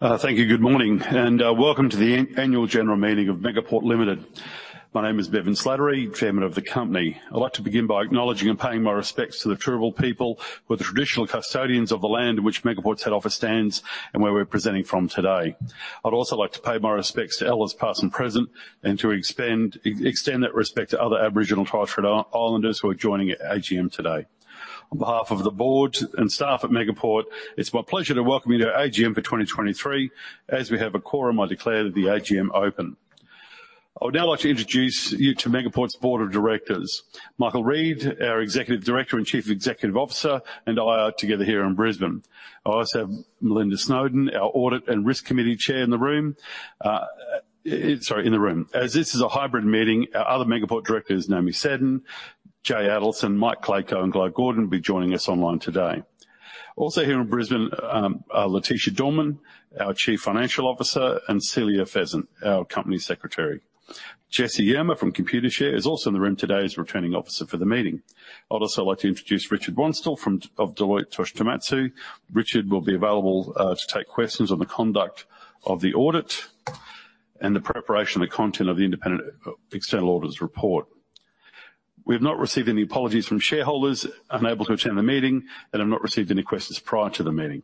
Thank you. Good morning, and welcome to the annual general meeting of Megaport Limited. My name is Bevan Slattery, Chairman of the company. I'd like to begin by acknowledging and paying my respects to the Turrbal people, who are the traditional custodians of the land in which Megaport's head office stands and where we're presenting from today. I'd also like to pay my respects to elders, past and present, and to extend that respect to other Aboriginal and Torres Strait Islanders who are joining our AGM today. On behalf of the board and staff at Megaport, it's my pleasure to welcome you to the AGM for 2023. As we have a quorum, I declare the AGM open. I would now like to introduce you to Megaport's board of directors. Michael Reid, our Executive Director and Chief Executive Officer, and I are together here in Brisbane. I also have Melinda Snowden, our Audit and Risk Committee Chair, in the room. As this is a hybrid meeting, our other Megaport directors, Naomi Seddon, Jay Adelson, Michael Klayko, and Glo Gordon, will be joining us online today. Also here in Brisbane are Leticia Dorman, our Chief Financial Officer, and Celia Pheasant, our Company Secretary. Jessie Yerna from Computershare is also in the room today as Returning Officer for the meeting. I'd also like to introduce Richard Wanstall from Deloitte Touche Tohmatsu. Richard will be available to take questions on the conduct of the audit and the preparation and content of the independent external auditor's report. We have not received any apologies from shareholders unable to attend the meeting and have not received any questions prior to the meeting.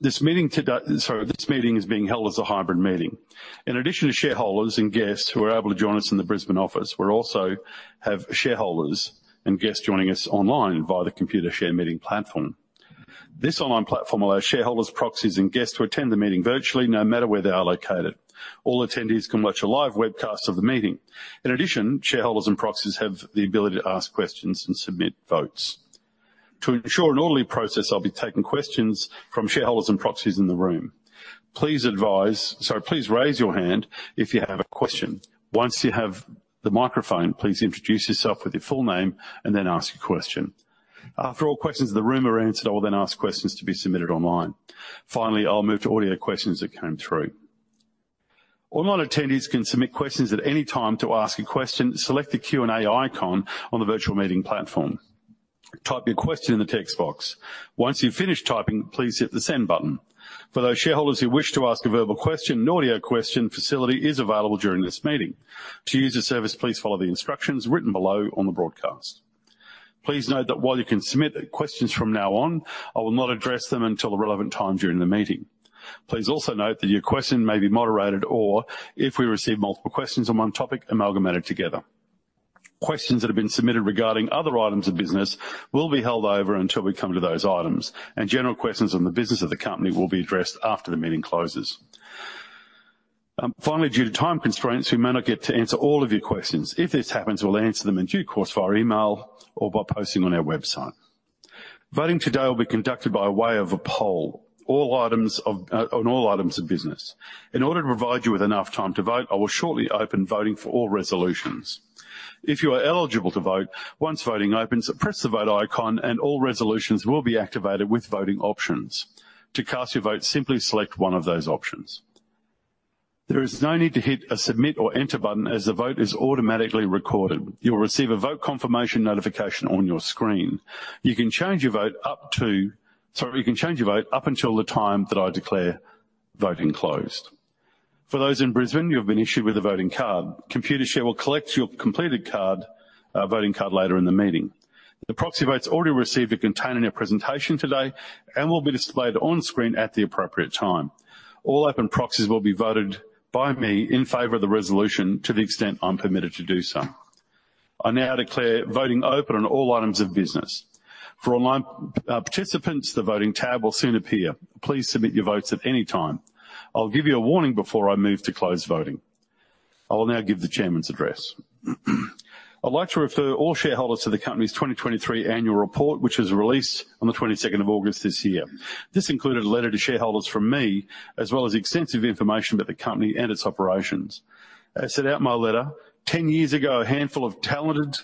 This meeting today... Sorry, this meeting is being held as a hybrid meeting. In addition to shareholders and guests who are able to join us in the Brisbane office, we're also have shareholders and guests joining us online via the Computershare meeting platform. This online platform allows shareholders, proxies, and guests to attend the meeting virtually, no matter where they are located. All attendees can watch a live webcast of the meeting. In addition, shareholders and proxies have the ability to ask questions and submit votes. To ensure an orderly process, I'll be taking questions from shareholders and proxies in the room. Please raise your hand if you have a question. Once you have the microphone, please introduce yourself with your full name and then ask your question. After all questions in the room are answered, I will then ask questions to be submitted online. Finally, I'll move to audio questions that came through. Online attendees can submit questions at any time. To ask a question, select the Q&A icon on the virtual meeting platform. Type your question in the text box. Once you've finished typing, please hit the Send button. For those shareholders who wish to ask a verbal question, an audio question facility is available during this meeting. To use the service, please follow the instructions written below on the broadcast. Please note that while you can submit questions from now on, I will not address them until the relevant time during the meeting. Please also note that your question may be moderated or, if we receive multiple questions on one topic, amalgamated together. Questions that have been submitted regarding other items of business will be held over until we come to those items, and general questions on the business of the company will be addressed after the meeting closes. Finally, due to time constraints, we may not get to answer all of your questions. If this happens, we'll answer them in due course via email or by posting on our website. Voting today will be conducted by way of a poll on all items of business. In order to provide you with enough time to vote, I will shortly open voting for all resolutions. If you are eligible to vote, once voting opens, press the Vote icon and all resolutions will be activated with voting options. To cast your vote, simply select one of those options. There is no need to hit a Submit or Enter button, as the vote is automatically recorded. You will receive a vote confirmation notification on your screen. You can change your vote up to... Sorry, you can change your vote up until the time that I declare voting closed. For those in Brisbane, you have been issued with a voting card. Computershare will collect your completed card, voting card, later in the meeting. The proxy votes already received are contained in our presentation today and will be displayed on screen at the appropriate time. All open proxies will be voted by me in favor of the resolution, to the extent I'm permitted to do so. I now declare voting open on all items of business. For online participants, the Voting tab will soon appear. Please submit your votes at any time. I'll give you a warning before I move to close voting. I will now give the chairman's address. I'd like to refer all shareholders to the company's 2023 annual report, which was released on the 22nd of August this year. This included a letter to shareholders from me, as well as extensive information about the company and its operations. As set out in my letter, 10 years ago, a handful of talented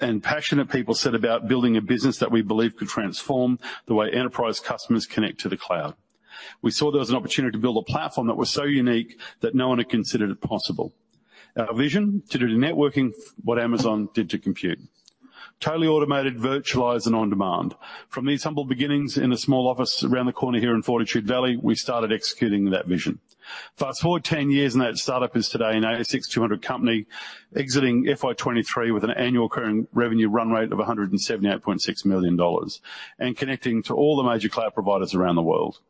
and passionate people set about building a business that we believed could transform the way enterprise customers connect to the cloud. We saw there was an opportunity to build a platform that was so unique that no one had considered it possible. Our vision? To do to networking what Amazon did to computing: totally automated, virtualized, and on-demand. From these humble beginnings in a small office around the corner here in Fortitude Valley, we started executing that vision. Fast-forward 10 years, and that start-up is today an ASX 200 company, exiting FY 2023 with an annual current revenue run rate of $178.6 million and connecting to all the major cloud providers around the world.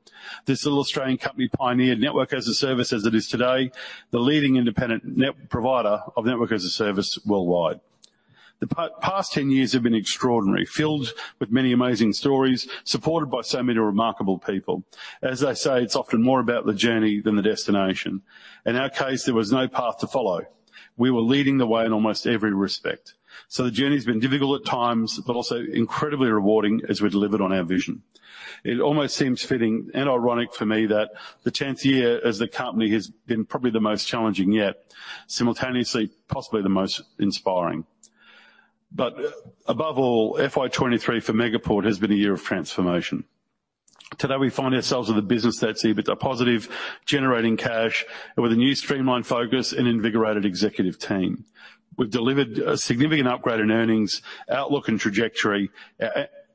This little Australian company pioneered Network as a Service as it is today, the leading independent net provider of Network as a Service worldwide. The past 10 years have been extraordinary, filled with many amazing stories, supported by so many remarkable people. As they say, it's often more about the journey than the destination. In our case, there was no path to follow. We were leading the way in almost every respect. So the journey's been difficult at times, but also incredibly rewarding as we delivered on our vision. It almost seems fitting and ironic for me that the 10th year as the company has been probably the most challenging yet, simultaneously, possibly the most inspiring. But above all, FY 2023 for Megaport has been a year of transformation. Today, we find ourselves with a business that's EBITDA positive, generating cash, and with a new streamlined focus and invigorated executive team. We've delivered a significant upgrade in earnings, outlook, and trajectory,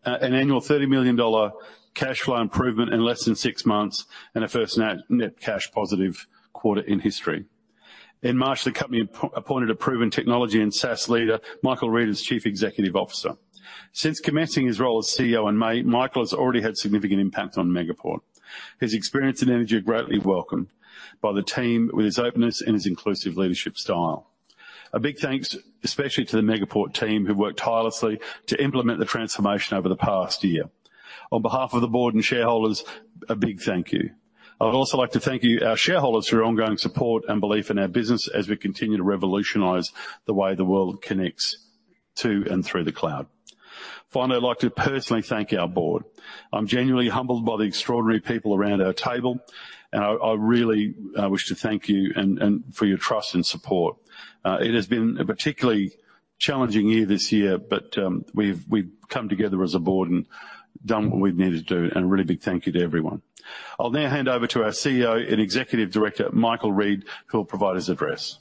an annual 30 million dollar cash flow improvement in less than 6 months, and a first net cash positive quarter in history. In March, the company appointed a proven technology and SaaS leader, Michael Reid, as Chief Executive Officer. Since commencing his role as CEO in May, Michael has already had significant impact on Megaport. His experience and energy are greatly welcomed by the team, with his openness and his inclusive leadership style. A big thanks, especially to the Megaport team, who worked tirelessly to implement the transformation over the past year. On behalf of the board and shareholders, a big thank you. I'd also like to thank you, our shareholders, for your ongoing support and belief in our business as we continue to revolutionize the way the world connects to and through the cloud. Finally, I'd like to personally thank our board. I'm genuinely humbled by the extraordinary people around our table, and I really wish to thank you and for your trust and support. It has been a particularly challenging year this year, but we've come together as a board and done what we've needed to do, and a really big thank you to everyone. I'll now hand over to our CEO and Executive Director, Michael Reid, who will provide his address.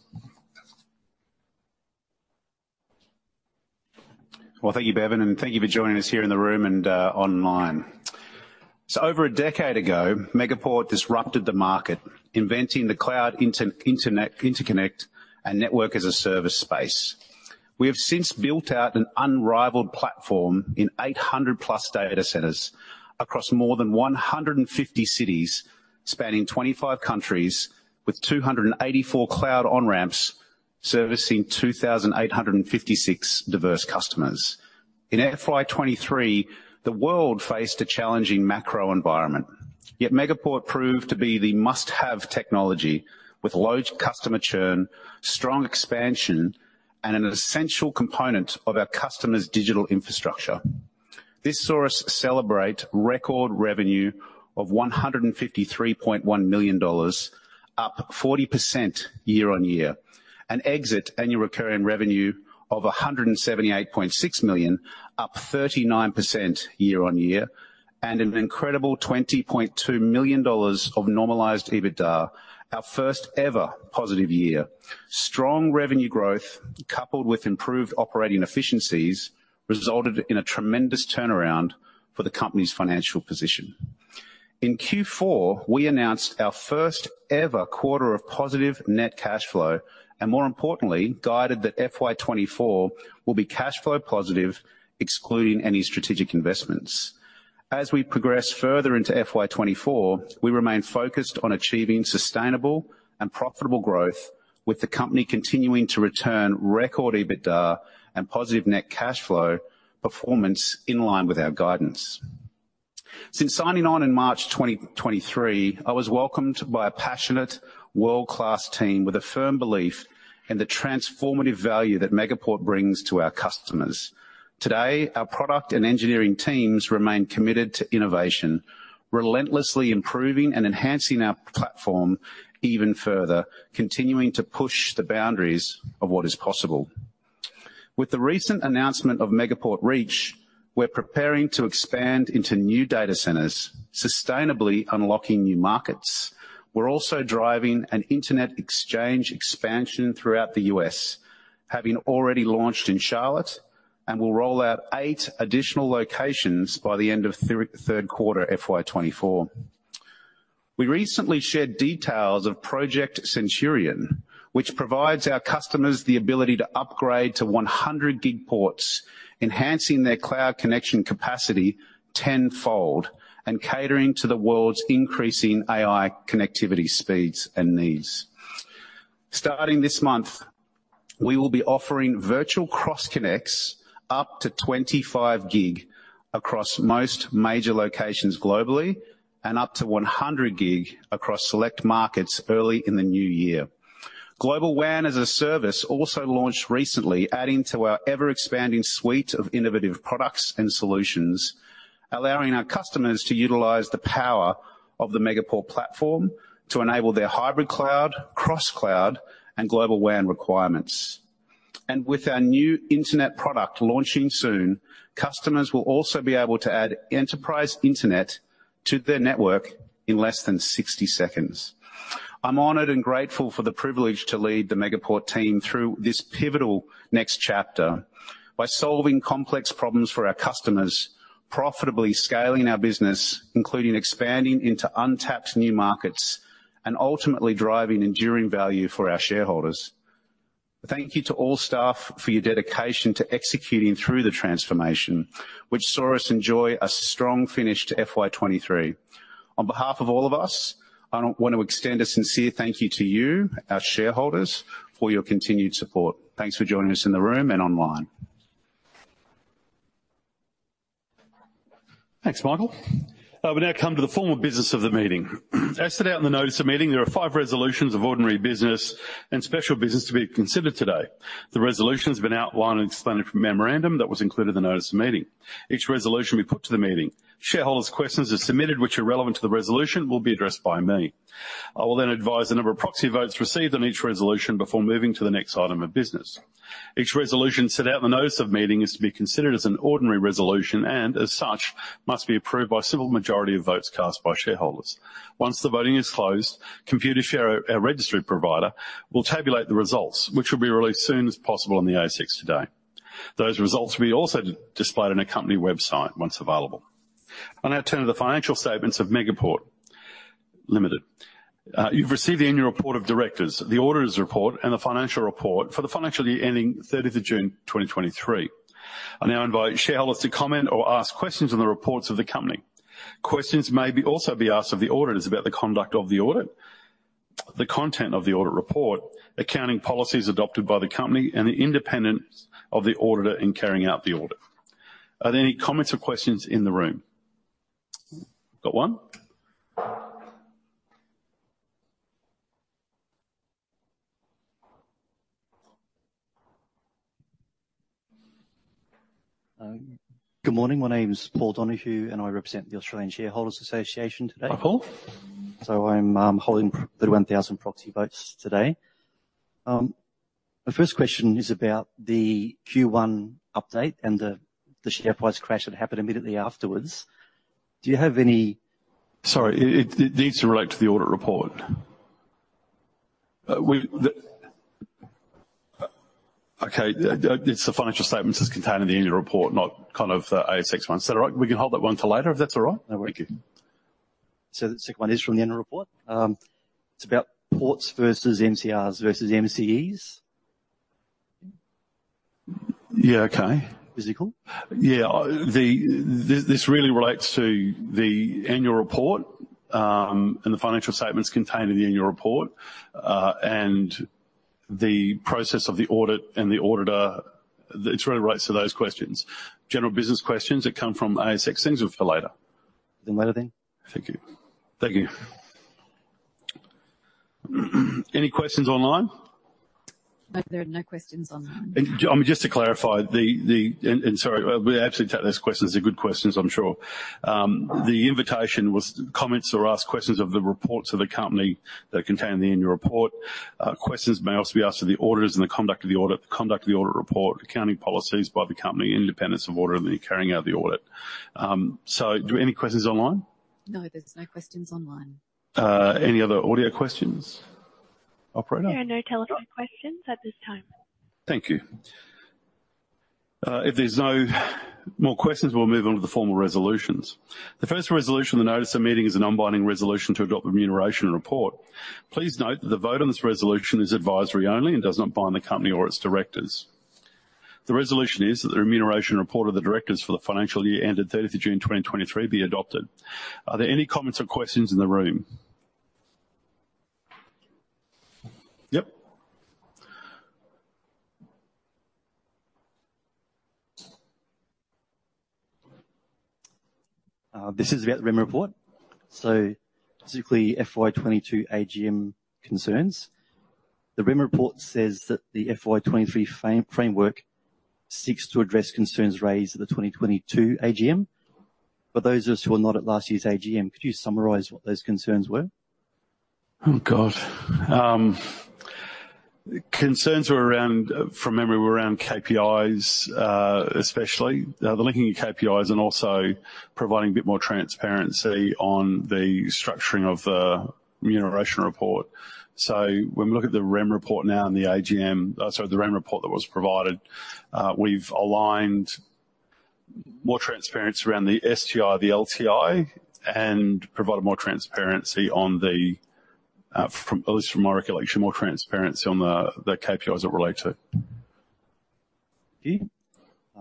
Well, thank you, Bevan, and thank you for joining us here in the room and online. So over a decade ago, Megaport disrupted the market, inventing the cloud internet, interconnect and network as a service space. We have since built out an unrivaled platform in 800+ data centers across more than 150 cities, spanning 25 countries, with 284 cloud on-ramps, servicing 2,856 diverse customers. In FY 2023, the world faced a challenging macro environment. Yet Megaport proved to be the must-have technology, with low customer churn, strong expansion, and an essential component of our customers' digital infrastructure. This saw us celebrate record revenue of 153.1 million dollars, up 40% year-on-year, and exit annual recurring revenue of 178.6 million, up 39% year-on-year, and an incredible 20.2 million dollars of normalized EBITDA, our first ever positive year. Strong revenue growth, coupled with improved operating efficiencies, resulted in a tremendous turnaround for the company's financial position. In Q4, we announced our first ever quarter of positive net cash flow, and more importantly, guided that FY 2024 will be cash flow positive, excluding any strategic investments. As we progress further into FY 2024, we remain focused on achieving sustainable and profitable growth, with the company continuing to return record EBITDA and positive net cash flow performance in line with our guidance. Since signing on in March 2023, I was welcomed by a passionate, world-class team with a firm belief in the transformative value that Megaport brings to our customers. Today, our product and engineering teams remain committed to innovation, relentlessly improving and enhancing our platform even further, continuing to push the boundaries of what is possible. With the recent announcement of Megaport Reach, we're preparing to expand into new data centers, sustainably unlocking new markets. We're also driving an internet exchange expansion throughout the U.S., having already launched in Charlotte, and will roll out 8 additional locations by the end of third quarter, FY 2024. We recently shared details of Project Centurion, which provides our customers the ability to upgrade to 100-gig ports, enhancing their cloud connection capacity tenfold, and catering to the world's increasing AI connectivity speeds and needs. Starting this month, we will be offering Virtual Cross Connects up to 25 gig across most major locations globally and up to 100 gig across select markets early in the new year. Global WAN as a Service also launched recently, adding to our ever-expanding suite of innovative products and solutions, allowing our customers to utilize the power of the Megaport platform to enable their hybrid cloud, cross-cloud, and global WAN requirements. With our new internet product launching soon, customers will also be able to add enterprise internet to their network in less than 60 seconds. I'm honored and grateful for the privilege to lead the Megaport team through this pivotal next chapter by solving complex problems for our customers, profitably scaling our business, including expanding into untapped new markets, and ultimately driving enduring value for our shareholders. Thank you to all staff for your dedication to executing through the transformation, which saw us enjoy a strong finish to FY 2023. On behalf of all of us, I now want to extend a sincere thank you to you, our shareholders, for your continued support. Thanks for joining us in the room and online. Thanks, Michael. We now come to the formal business of the meeting. As set out in the notice of meeting, there are five resolutions of ordinary business and special business to be considered today. The resolutions have been outlined and explained in a memorandum that was included in the notice of meeting. Each resolution will be put to the meeting. Shareholders' questions are submitted, which are relevant to the resolution, will be addressed by me. I will then advise the number of proxy votes received on each resolution before moving to the next item of business. Each resolution set out in the notice of meeting is to be considered as an ordinary resolution, and as such, must be approved by simple majority of votes cast by shareholders. Once the voting is closed, Computershare, our registry provider, will tabulate the results, which will be released as soon as possible on the ASX today. Those results will also be displayed on our company website once available. I now turn to the financial statements of Megaport Limited. You've received the annual report of directors, the auditor's report, and the financial report for the financial year ending 30 June 2023. I now invite shareholders to comment or ask questions on the reports of the company. Questions may also be asked of the auditors about the conduct of the audit, the content of the audit report, accounting policies adopted by the company, and the independence of the auditor in carrying out the audit. Are there any comments or questions in the room? Got one. Good morning. My name is Paul Donohue, and I represent the Australian Shareholders Association today. Hi, Paul. So I'm holding 31,000 proxy votes today. My first question is about the Q1 update and the share price crash that happened immediately afterwards. Do you have any- Sorry, it needs to relate to the audit report. We, the... Okay, it's the financial statements as contained in the annual report, not kind of the ASX one. Is that all right? We can hold that one to later, if that's all right. No worry. Thank you. The second one is from the annual report. It's about ports versus MCRs versus MCEs. Yeah. Okay. Physical? Yeah. This really relates to the annual report, and the financial statements contained in the annual report, and the process of the audit and the auditor. It really relates to those questions. General business questions that come from ASX things are for later. Later, then. Thank you. Thank you. Any questions online? No, there are no questions online. Just to clarify, and sorry, we absolutely take those questions. They're good questions, I'm sure. The invitation was comments or ask questions of the reports of the company that contain the annual report. Questions may also be asked to the auditors and the conduct of the audit report, accounting policies by the company, independence of auditor, and the carrying out of the audit. So, do any questions online? No, there's no questions online. Any other audio questions, operator? There are no telephone questions at this time. Thank you. If there's no more questions, we'll move on to the formal resolutions. The first resolution of the notice of meeting is a non-binding resolution to adopt the remuneration report. Please note that the vote on this resolution is advisory only and does not bind the company or its directors. The resolution is that the remuneration report of the directors for the financial year ended 30 June 2023 be adopted. Are there any comments or questions in the room? Yep. This is about the REM report. So specifically, FY 2022 AGM concerns. The REM report says that the FY 2023 frame, framework seeks to address concerns raised at the 2022 AGM. For those of us who were not at last year's AGM, could you summarize what those concerns were? Oh, God. Concerns were around, from memory, were around KPIs, especially. The linking of KPIs and also providing a bit more transparency on the structuring of the remuneration report. So when we look at the REM report now and the AGM, sorry, the REM report that was provided, we've aligned more transparency around the STI, the LTI, and provided more transparency on the, from, at least from my recollection, more transparency on the, the KPIs that relate to it. Thank you.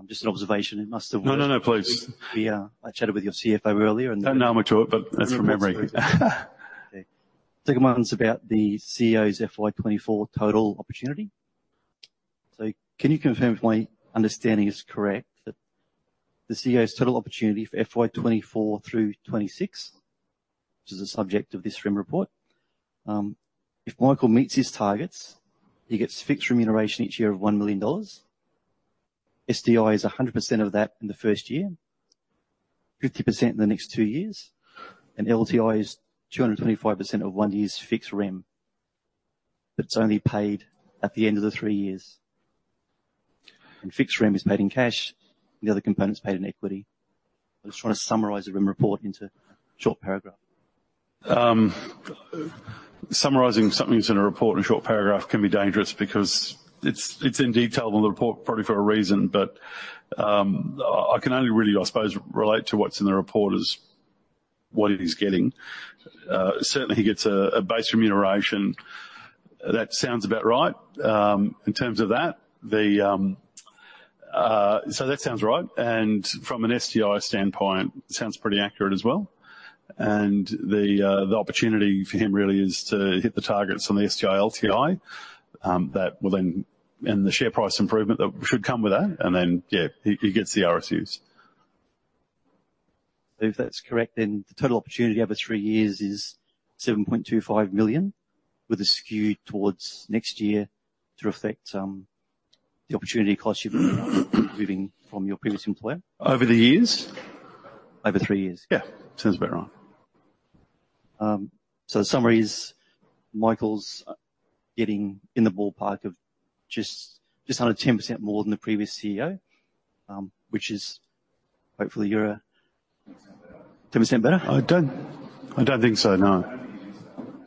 Just an observation, it must have- No, no, no, please. I chatted with your CFO earlier, and- I'm not sure, but that's from memory. Okay. Second one's about the CEO's FY 2024 total opportunity. Can you confirm if my understanding is correct, that the CEO's total opportunity for FY 2024 through 2026, which is the subject of this REM report, if Michael meets his targets, he gets fixed remuneration each year of 1 million dollars. SDI is 100% of that in the first year, 50% in the next two years, and LTI is 225% of one year's fixed REM, but it's only paid at the end of the three years. Fixed REM is paid in cash, and the other component is paid in equity. I'm just trying to summarize the REM report into a short paragraph. Summarizing something that's in a report in a short paragraph can be dangerous because it's in detail in the report, probably for a reason, but I can only really, I suppose, relate to what's in the report as what he's getting. Certainly, he gets a base remuneration. That sounds about right. In terms of that, so that sounds right, and from an STI standpoint, sounds pretty accurate as well. And the opportunity for him really is to hit the targets on the STI, LTI, that will then, and the share price improvement that should come with that, and then, yeah, he gets the RSUs. So if that's correct, then the total opportunity over three years is 7.25 million, with a skew towards next year to reflect the opportunity cost of moving from your previous employer. Over the years? Over three years. Yeah. Sounds about right. So the summary is Michael's getting in the ballpark of just under 10% more than the previous CEO, which is hopefully you're a 10% better? I don't think so, no.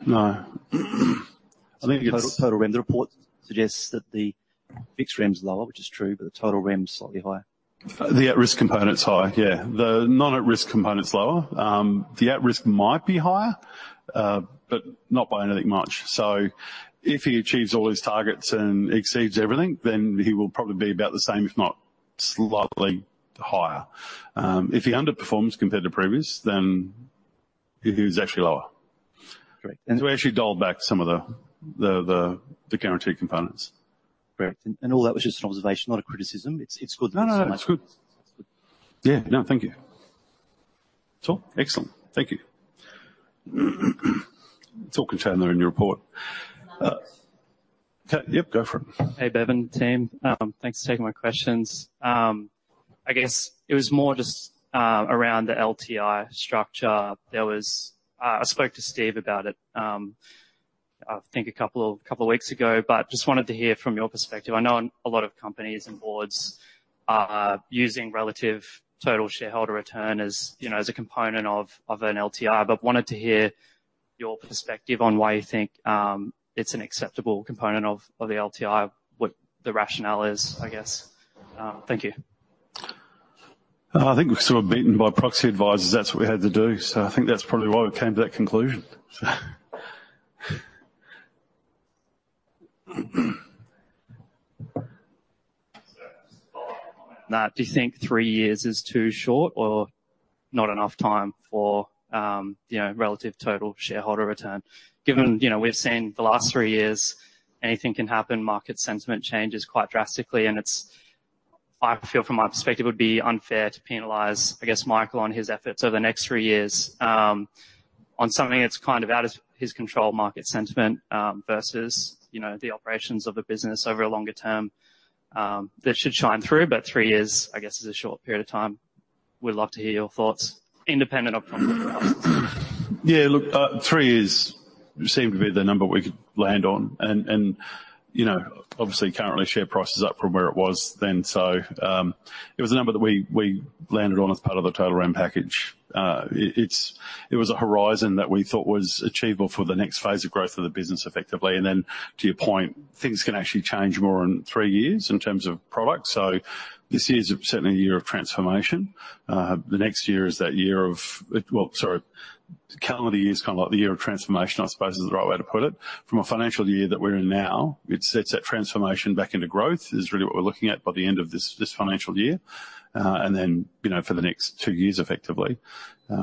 No. I think it's- Total, total REM. The report suggests that the fixed REM is lower, which is true, but the total REM is slightly higher. The at-risk component is higher, yeah. The not at-risk component is lower. The at-risk might be higher, but not by anything much. So if he achieves all his targets and exceeds everything, then he will probably be about the same, if not slightly higher. If he underperforms compared to previous, then he's actually lower. Correct. We actually dialed back some of the guaranteed components. Great. All that was just an observation, not a criticism. It's good- No, no, no. It's good. Yeah. No, thank you. That's all? Excellent. Thank you. It's all contained there in your report. Yep, go for it. Hey, Bevan, team. Thanks for taking my questions. I guess it was more just around the LTI structure. There was I spoke to Steve about it. I think a couple, couple of weeks ago, but just wanted to hear from your perspective. I know a lot of companies and boards are using relative total shareholder return as, you know, as a component of an LTI, but wanted to hear your perspective on why you think it's an acceptable component of an LTI, what the rationale is, I guess. Thank you. I think we were sort of beaten by proxy advisors. That's what we had to do, so I think that's probably why we came to that conclusion. Matt, do you think three years is too short or not enough time for, you know, relative total shareholder return? Given, you know, we've seen the last three years, anything can happen, market sentiment changes quite drastically, and it's. I feel from my perspective, it would be unfair to penalize, I guess, Michael, on his efforts over the next three years, on something that's kind of out of his control, market sentiment, versus, you know, the operations of the business over a longer term. That should shine through, but three years, I guess, is a short period of time. We'd love to hear your thoughts independent of from- Yeah, look, three years seemed to be the number we could land on, and you know, obviously, currently share price is up from where it was then. So, it was a number that we landed on as part of the total REM package. It was a horizon that we thought was achievable for the next phase of growth of the business, effectively. And then to your point, things can actually change more in three years in terms of product. So this year is certainly a year of transformation. The next year is that year of, well, sorry, calendar year is kind of like the year of transformation, I suppose, is the right way to put it. From a financial year that we're in now, it sets that transformation back into growth, is really what we're looking at by the end of this financial year. Then, you know, for the next two years, effectively,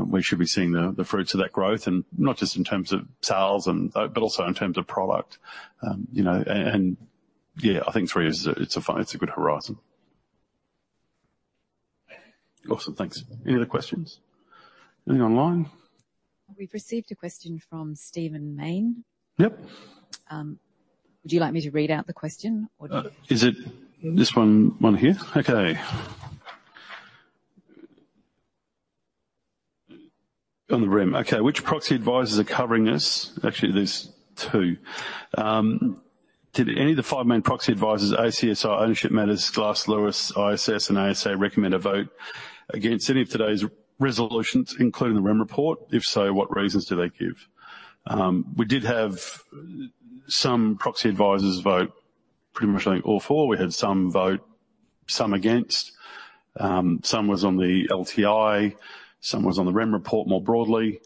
we should be seeing the fruits of that growth, and not just in terms of sales, but also in terms of product. You know, and, yeah, I think three years is, it's a good horizon. Awesome. Thanks. Any other questions? Any online? We've received a question from Stephen Mayne. Yep. Would you like me to read out the question, or- Is it this one, one here? Okay. On the REM. Okay, which proxy advisors are covering this? Actually, there's two. Did any of the five main proxy advisors, ACSI, Ownership Matters, Glass Lewis, ISS, and ASA, recommend a vote against any of today's resolutions, including the REM report? If so, what reasons do they give? We did have some proxy advisors vote pretty much, I think, all four. We had some vote, some against, some was on the LTI, some was on the REM report more broadly.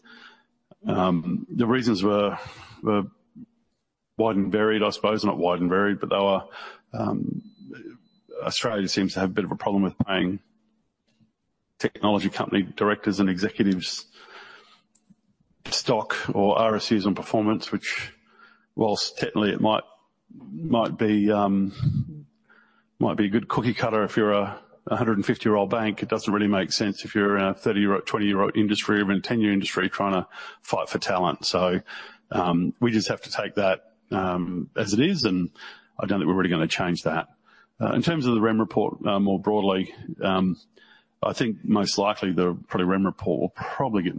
The reasons were, were wide and varied, I suppose. Not wide and varied, but they were, Australia seems to have a bit of a problem with paying technology company directors and executives stock or RSUs on performance, which while technically it might be a good cookie cutter if you're a 150-year-old bank, it doesn't really make sense if you're a 30-year-old, 20-year-old industry or even 10-year industry trying to fight for talent. So, we just have to take that as it is, and I don't think we're really gonna change that. In terms of the REM report, more broadly, I think most likely the REM report will probably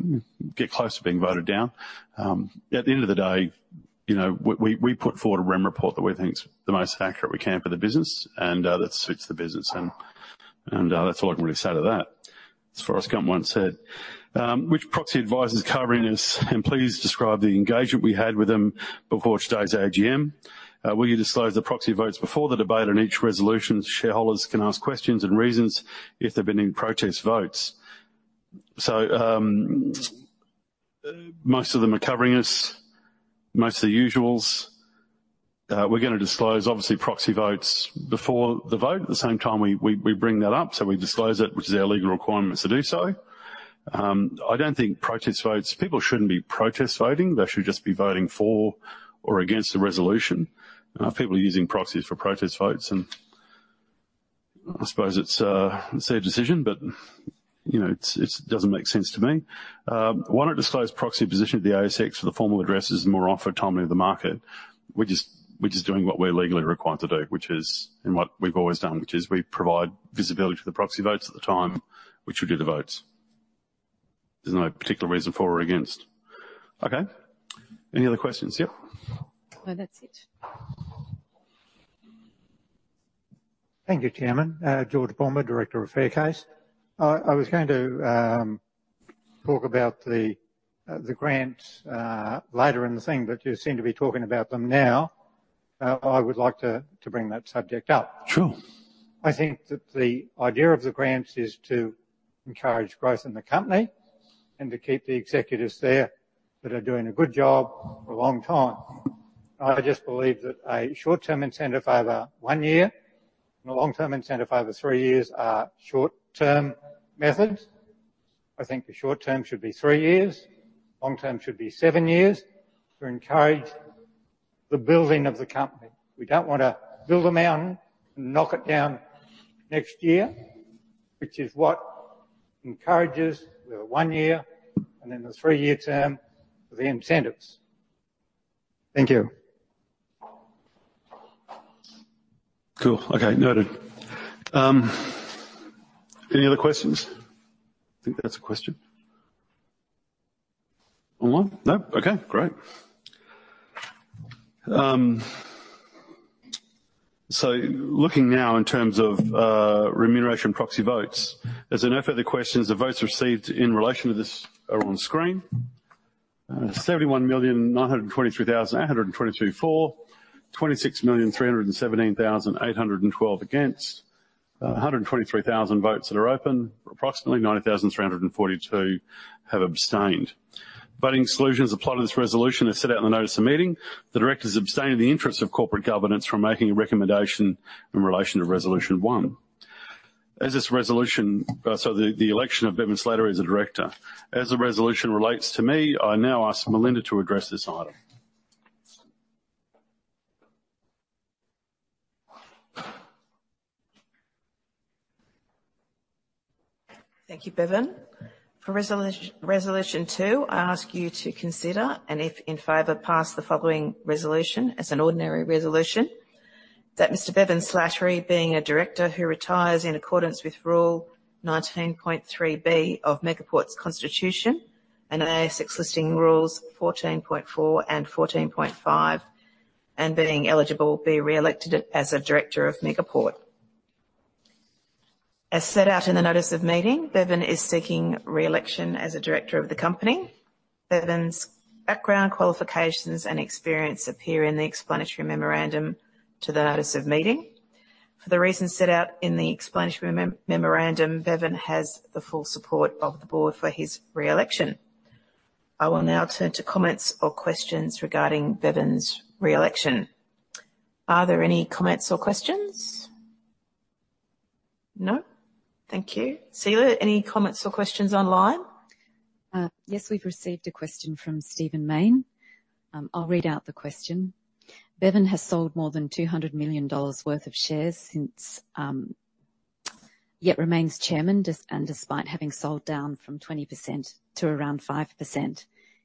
get close to being voted down. At the end of the day, you know, we put forward a REM report that we think is the most accurate we can for the business and that suits the business, and that's all I can really say to that. As Forrest Gump once said. Which proxy advisors covering this, and please describe the engagement we had with them before today's AGM? Will you disclose the proxy votes before the debate on each resolution? Shareholders can ask questions and reasons if there have been any protest votes. So, most of them are covering us, most of the usuals. We're gonna disclose, obviously, proxy votes before the vote. At the same time, we bring that up, so we disclose it, which is our legal requirement to do so. I don't think protest votes... People shouldn't be protest voting. They should just be voting for or against the resolution. People are using proxies for protest votes, and I suppose it's a safe decision, but, you know, it doesn't make sense to me. Why not disclose proxy position at the ASX for the formal addresses and more often timely to the market? We're just doing what we're legally required to do, which is, and what we've always done, which is we provide visibility to the proxy votes at the time, which we do the votes. There's no particular reason for or against. Okay. Any other questions? Yep. No, that's it.... Thank you, Chairman. George Palmer, Director of Faircase. I was going to talk about the grants later in the thing, but you seem to be talking about them now. I would like to bring that subject up. Sure. I think that the idea of the grants is to encourage growth in the company and to keep the executives there that are doing a good job for a long time. I just believe that a short-term incentive over one year, and a long-term incentive over three years are short-term methods. I think the short term should be three years, long term should be seven years, to encourage the building of the company. We don't want to build a mountain and knock it down next year, which is what encourages the one year and then the three-year term for the incentives. Thank you. Cool. Okay, noted. Any other questions? I think that's a question. Online? No. Okay, great. So looking now in terms of, remuneration proxy votes, as there are no further questions, the votes received in relation to this are on screen. 71,923,823 for 26,317,812 against. 123,000 votes that are open. Approximately 90,342 have abstained. Voting solutions apply to this resolution as set out in the notice of meeting. The directors abstained in the interest of corporate governance from making a recommendation in relation to Resolution 1. As this resolution, so the election of Bevan Slattery as a director. As the resolution relates to me, I now ask Melinda to address this item. Thank you, Bevan. For Resolution 2, I ask you to consider, and if in favor, pass the following resolution as an ordinary resolution, that Mr. Bevan Slattery, being a director who retires in accordance with Rule 19.3B of Megaport's Constitution and ASX Listing Rules 14.4 and 14.5, and being eligible, be re-elected as a director of Megaport. As set out in the notice of meeting, Bevan is seeking re-election as a director of the company. Bevan's background, qualifications, and experience appear in the explanatory memorandum to the notice of meeting. For the reasons set out in the explanatory memorandum, Bevan has the full support of the board for his re-election. I will now turn to comments or questions regarding Bevan's re-election. Are there any comments or questions? No? Thank you. Celia, any comments or questions online? Yes, we've received a question from Stephen Mayne. I'll read out the question: Bevan has sold more than $200 million worth of shares since, yet remains chairman, and despite having sold down from 20% to around 5%.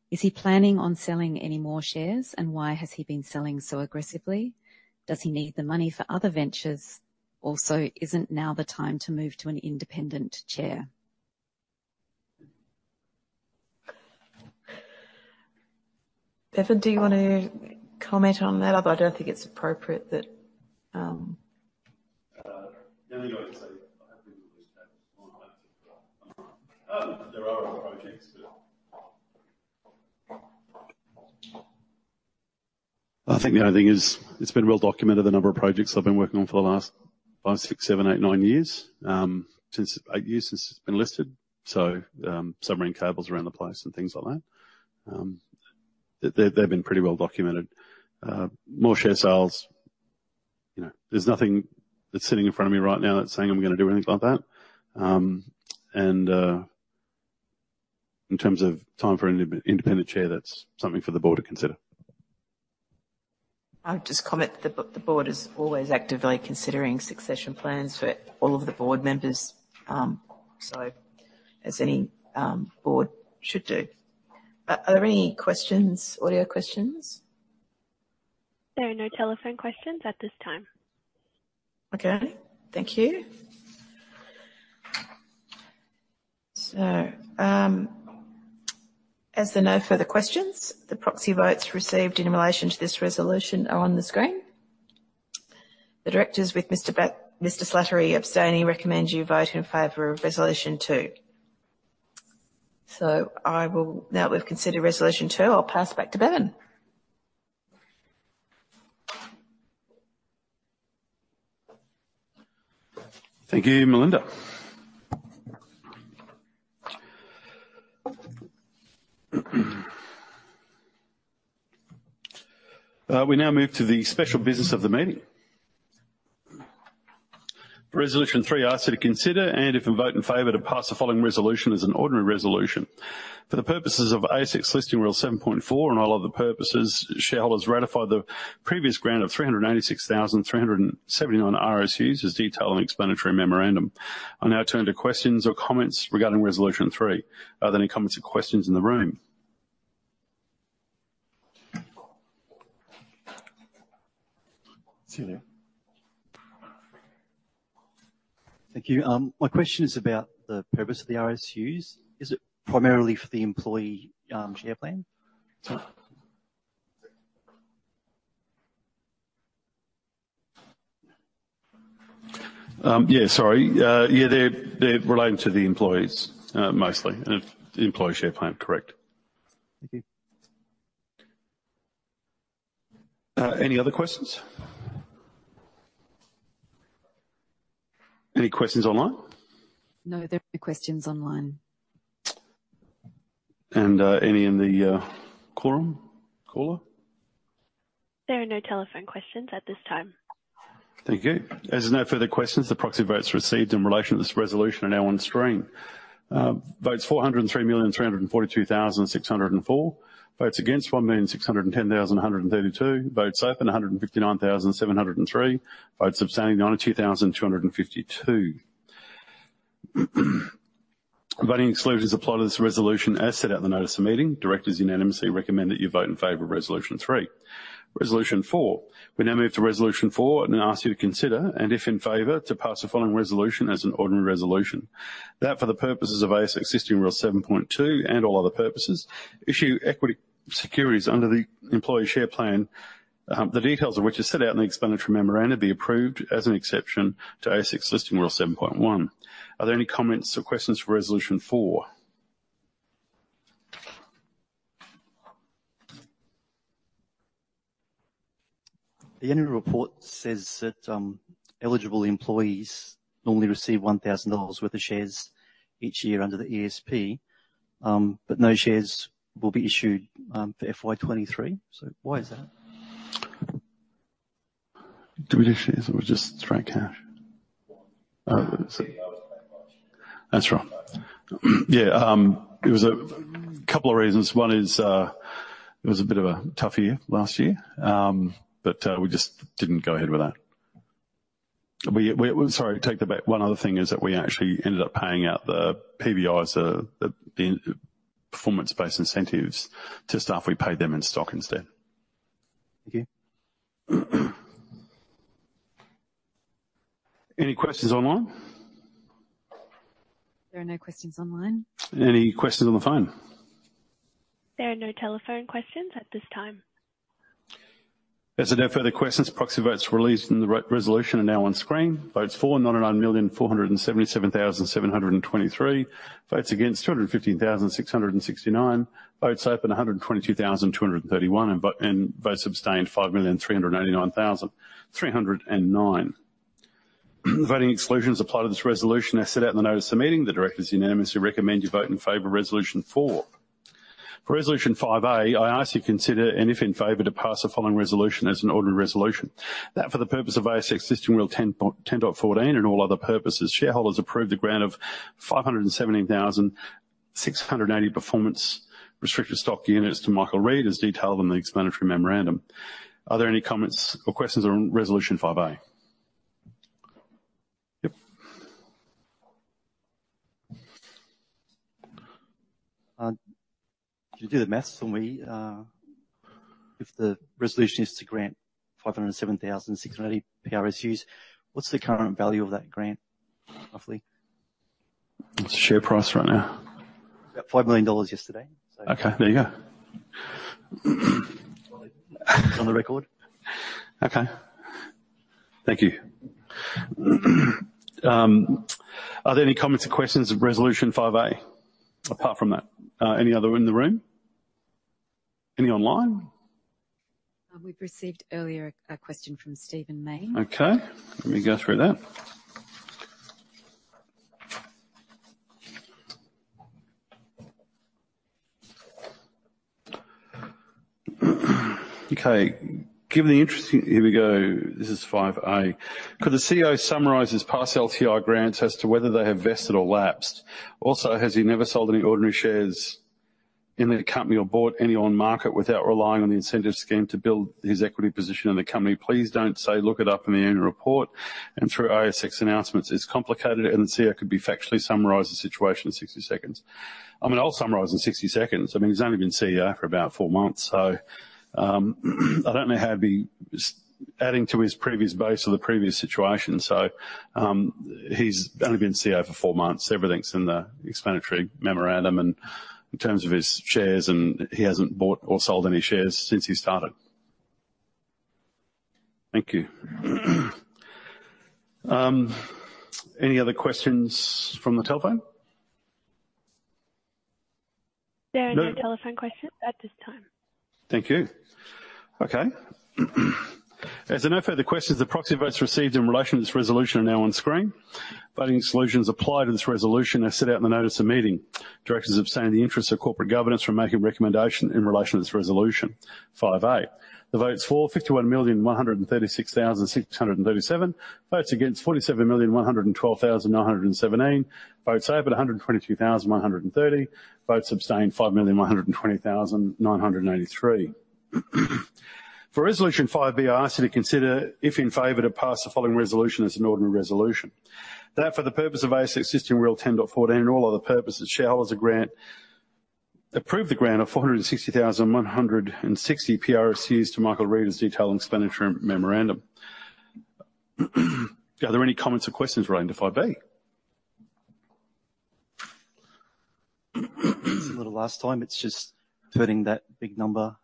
Is he planning on selling any more shares, and why has he been selling so aggressively? Does he need the money for other ventures? Also, isn't now the time to move to an independent chair? Bevan, do you want to comment on that? Although I don't think it's appropriate that, The only thing I can say, I have been relieved that there are other projects, but... I think the only thing is, it's been well documented, the number of projects I've been working on for the last 5, 6, 7, 8, 9 years, since 8 years since it's been listed. So, submarine cables around the place and things like that. They've been pretty well documented. More share sales, you know, there's nothing that's sitting in front of me right now that's saying I'm going to do anything about that. And in terms of time for an independent chair, that's something for the board to consider. I'll just comment, the board is always actively considering succession plans for all of the board members, so as any board should do. Are there any questions, audio questions? There are no telephone questions at this time. Okay, thank you. So, as there are no further questions, the proxy votes received in relation to this resolution are on the screen. The directors with Mr. Slattery, abstaining, recommend you vote in favor of Resolution 2. So I will-- Now, we've considered Resolution 2. I'll pass back to Bevan. Thank you, Melinda. We now move to the special business of the meeting. Resolution 3, I ask you to consider, and if you vote in favor, to pass the following resolution as an ordinary resolution. For the purposes of ASX listing rule 7.4 and all other purposes, shareholders ratified the previous grant of 386,379 RSUs, as detailed in the explanatory memorandum. I now turn to questions or comments regarding Resolution 3. Are there any comments or questions in the room? Celia. Thank you. My question is about the purpose of the RSUs. Is it primarily for the employee share plan?... Yeah, sorry. Yeah, they're, they're relating to the employees, mostly. And the employee share plan, correct. Thank you. Any other questions? Any questions online? No, there are no questions online. And, any in the quorum, caller? There are no telephone questions at this time. Thank you. As there are no further questions, the proxy votes received in relation to this resolution are now on screen. Votes for 403,342,604. Votes against 1,610,132. Votes open 159,703. Votes abstaining 92,252. Voting exclusions apply to this resolution as set out in the notice of meeting. Directors unanimously recommend that you vote in favor of Resolution 3. Resolution 4. We now move to Resolution 4 and ask you to consider, and if in favor, to pass the following resolution as an ordinary resolution. That for the purposes of ASX Listing Rule 7.2 and all other purposes, issue equity securities under the employee share plan, the details of which are set out in the explanatory memorandum, be approved as an exception to ASX Listing Rule 7.1. Are there any comments or questions for Resolution 4? The annual report says that eligible employees normally receive 1000 dollars worth of shares each year under the ESP, but no shares will be issued for FY 2023. So why is that? Do we do shares or just straight cash? That's right. Yeah, it was a couple of reasons. One is, it was a bit of a tough year last year, but, we just didn't go ahead with that. Sorry, take that back. One other thing is that we actually ended up paying out the PBIs, the performance-based incentives to staff. We paid them in stock instead. Thank you. Any questions online? There are no questions online. Any questions on the phone? There are no telephone questions at this time. As there are no further questions, proxy votes released in the resolution are now on screen. Votes for, 99,477,723. Votes against, 215,669. Votes open, 122,231. And votes abstained, 5,389,309. Voting exclusions apply to this resolution as set out in the notice of the meeting. The directors unanimously recommend you vote in favor of Resolution 4. For Resolution 5A, I ask you to consider, and if in favor, to pass the following resolution as an ordinary resolution. That for the purpose of ASX Listing Rule 10.10.14, and all other purposes, shareholders approve the grant of 517,680 performance restricted stock units to Michael Reid, as detailed in the explanatory memorandum. Are there any comments or questions on Resolution 5A? Yep. Did you do the math for me? If the resolution is to grant 507,680 PRSUs, what's the current value of that grant, roughly? What's the share price right now? About $5 million yesterday, so. Okay, there you go. On the record. Okay. Thank you. Are there any comments or questions of Resolution 5A, apart from that? Any other in the room? Any online? We've received earlier a question from Stephen Mayne. Okay, let me go through that. Okay, given the interest... Here we go. This is 5A. Could the CEO summarize his past LTI grants as to whether they have vested or lapsed? Also, has he never sold any ordinary shares in the company or bought any on market without relying on the incentive scheme to build his equity position in the company? Please don't say, "Look it up in the annual report," and through ASX announcements. It's complicated, and the CEO could be factually summarize the situation in 60 seconds. I mean, I'll summarize in 60 seconds. I mean, he's only been CEO for about 4 months, so, I don't know how he is adding to his previous base or the previous situation. So, he's only been CEO for 4 months. Everything's in the explanatory memorandum, and in terms of his shares, and he hasn't bought or sold any shares since he started. Thank you. Any other questions from the telephone? There are no telephone questions at this time. Thank you. Okay, as there are no further questions, the proxy votes received in relation to this resolution are now on screen. Voting solutions apply to this resolution as set out in the notice of meeting. Directors abstain in the interest of corporate governance from making recommendation in relation to this Resolution 5A. The votes for, 51,136,637. Votes against, 47,112,917. Votes open, 122,130. Votes abstained, 5,120,983. For Resolution 5B, I ask you to consider, if in favor, to pass the following resolution as an ordinary resolution. That for the purpose of ASX Listing Rule 10.14 and all other purposes, shareholders approve the grant of 460,160 PRSU to Michael Reid, as detailed in explanatory memorandum. Are there any comments or questions relating to 5B?... Similar to last time, it's just turning that big number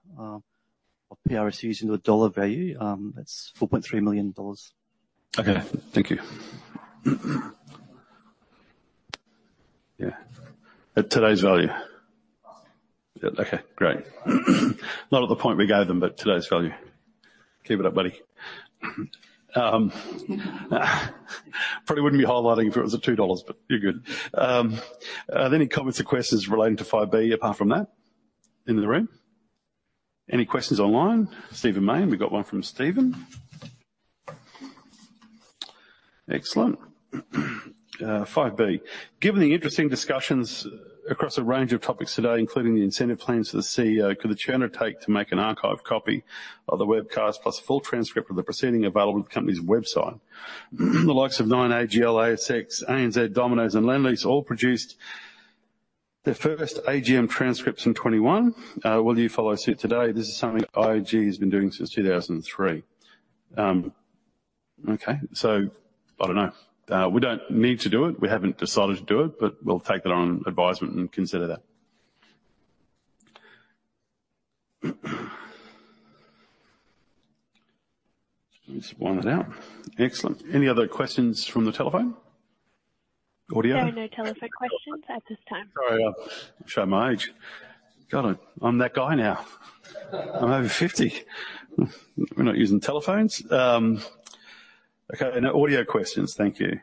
of PRSU into a dollar value. That's 4.3 million dollars. Okay, thank you. Yeah. At today's value? Yeah, okay, great. Not at the point we gave them, but today's value. Keep it up, buddy. Probably wouldn't be highlighting if it was at 2 dollars, but you're good. Are there any comments or questions relating to 5B apart from that, in the room? Any questions online? Stephen Mayne, and we got one from Stephen. Excellent. 5B: Given the interesting discussions across a range of topics today, including the incentive plans for the CEO, could the chair undertake to make an archive copy of the webcast, plus full transcript of the proceeding available on the company's website? The likes of Nine, AGL, ASX, ANZ, Domino's, and Lendlease all produced their first AGM transcripts in 2021. Will you follow suit today? This is something IAG has been doing since 2003. Okay, so I don't know. We don't need to do it. We haven't decided to do it, but we'll take that on advisement and consider that. Let's blow that out. Excellent. Any other questions from the telephone? Audio. There are no telephone questions at this time. Sorry, I show my age. God, I'm that guy now. I'm over 50. We're not using telephones? Okay, no audio questions. Thank you.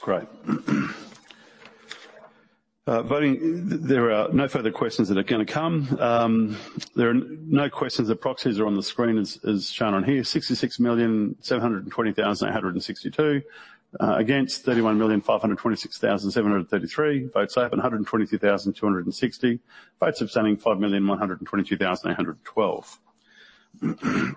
Great. Voting, there are no further questions that are going to come. There are no questions, the proxies are on the screen, as shown on here, 66,720,862. Against 31,526,733. Votes up, 122,260. Votes abstaining, 5,122,812. Voting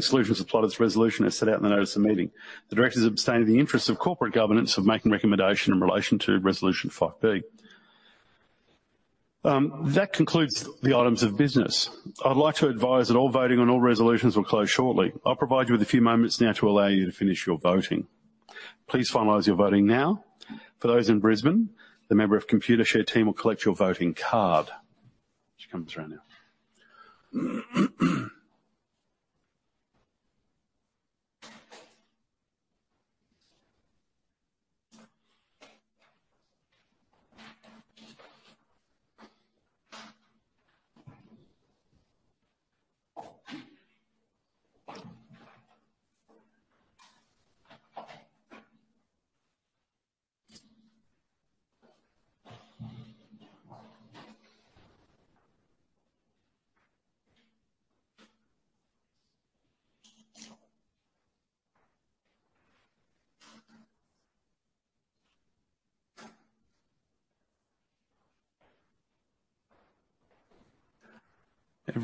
solutions applied as resolution as set out in the notice of the meeting. The directors abstained in the interest of corporate governance, of making recommendation in relation to Resolution 5B. That concludes the items of business. I'd like to advise that all voting on all resolutions will close shortly. I'll provide you with a few moments now to allow you to finish your voting. Please finalize your voting now. For those in Brisbane, the member of Computershare team will collect your voting card. She's coming through now.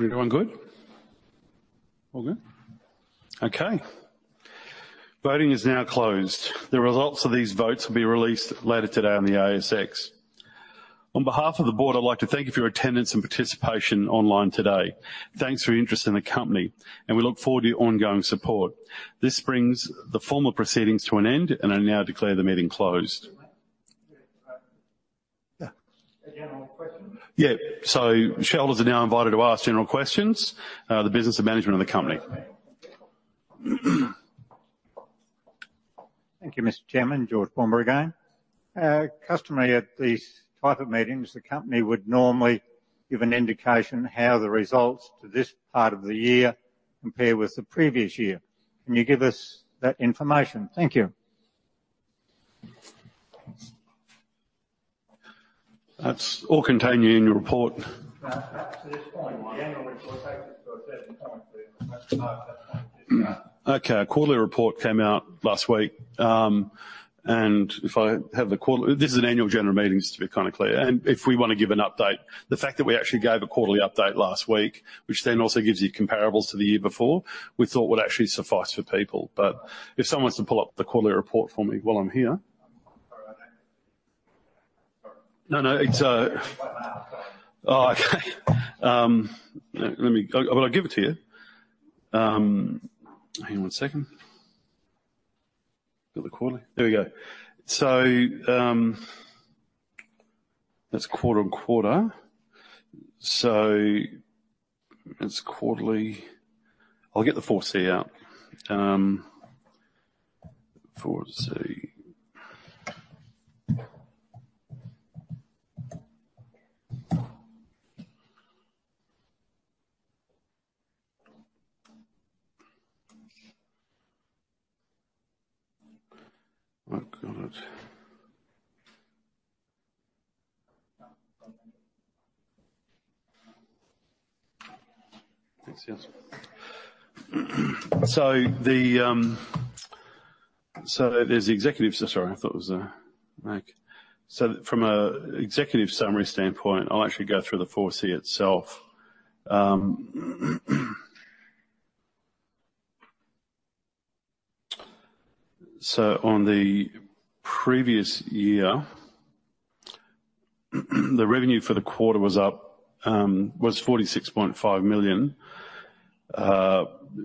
Everyone good? All good. Okay. Voting is now closed. The results of these votes will be released later today on the ASX. On behalf of the board, I'd like to thank you for your attendance and participation online today. Thanks for your interest in the company, and we look forward to your ongoing support. This brings the formal proceedings to an end, and I now declare the meeting closed. Yeah, uh- Yeah. A general question. Yeah. So shareholders are now invited to ask general questions, the business and management of the company. Thank you, Mr. Chairman. George Palmer again. Customarily, at these type of meetings, the company would normally give an indication how the results to this part of the year compare with the previous year. Can you give us that information? Thank you. That's all contained in your report. At this point, the annual report takes us to a certain point, but that's not that point yet. Okay, our quarterly report came out last week. This is an annual general meeting, just to be kind of clear, and if we want to give an update, the fact that we actually gave a quarterly update last week, which then also gives you comparables to the year before, we thought would actually suffice for people. But if someone wants to pull up the quarterly report for me while I'm here. Sorry, I don't- No, no, it's, Right now. Oh, okay. Let me... Well, I'll give it to you. Hang on one second. Got the quarterly. There we go. So, that's quarter-on-quarter. So it's quarterly... I'll get the 4C out. 4C. Oh, got it. Thanks, yes. So the, so there's the executive... So sorry, I thought it was the mic. So from an executive summary standpoint, I'll actually go through the 4C itself. So on the previous year-... the revenue for the quarter was up 46.5 million,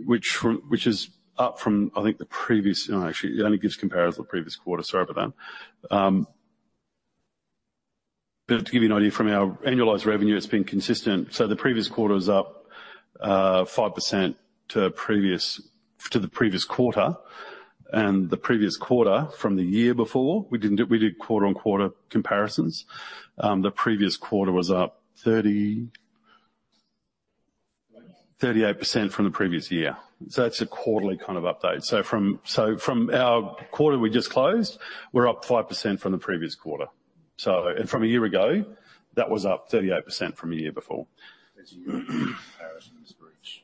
which is up from, I think, the previous... No, actually, it only gives comparison to the previous quarter. Sorry about that. But to give you an idea, from our annualized revenue, it's been consistent. So the previous quarter was up 5% to previous, to the previous quarter, and the previous quarter from the year before, we did quarter-on-quarter comparisons. The previous quarter was up 38% from the previous year. So that's a quarterly kind of update. So from our quarter we just closed, we're up 5% from the previous quarter. So, and from a year ago, that was up 38% from a year before. Comparison was Reach.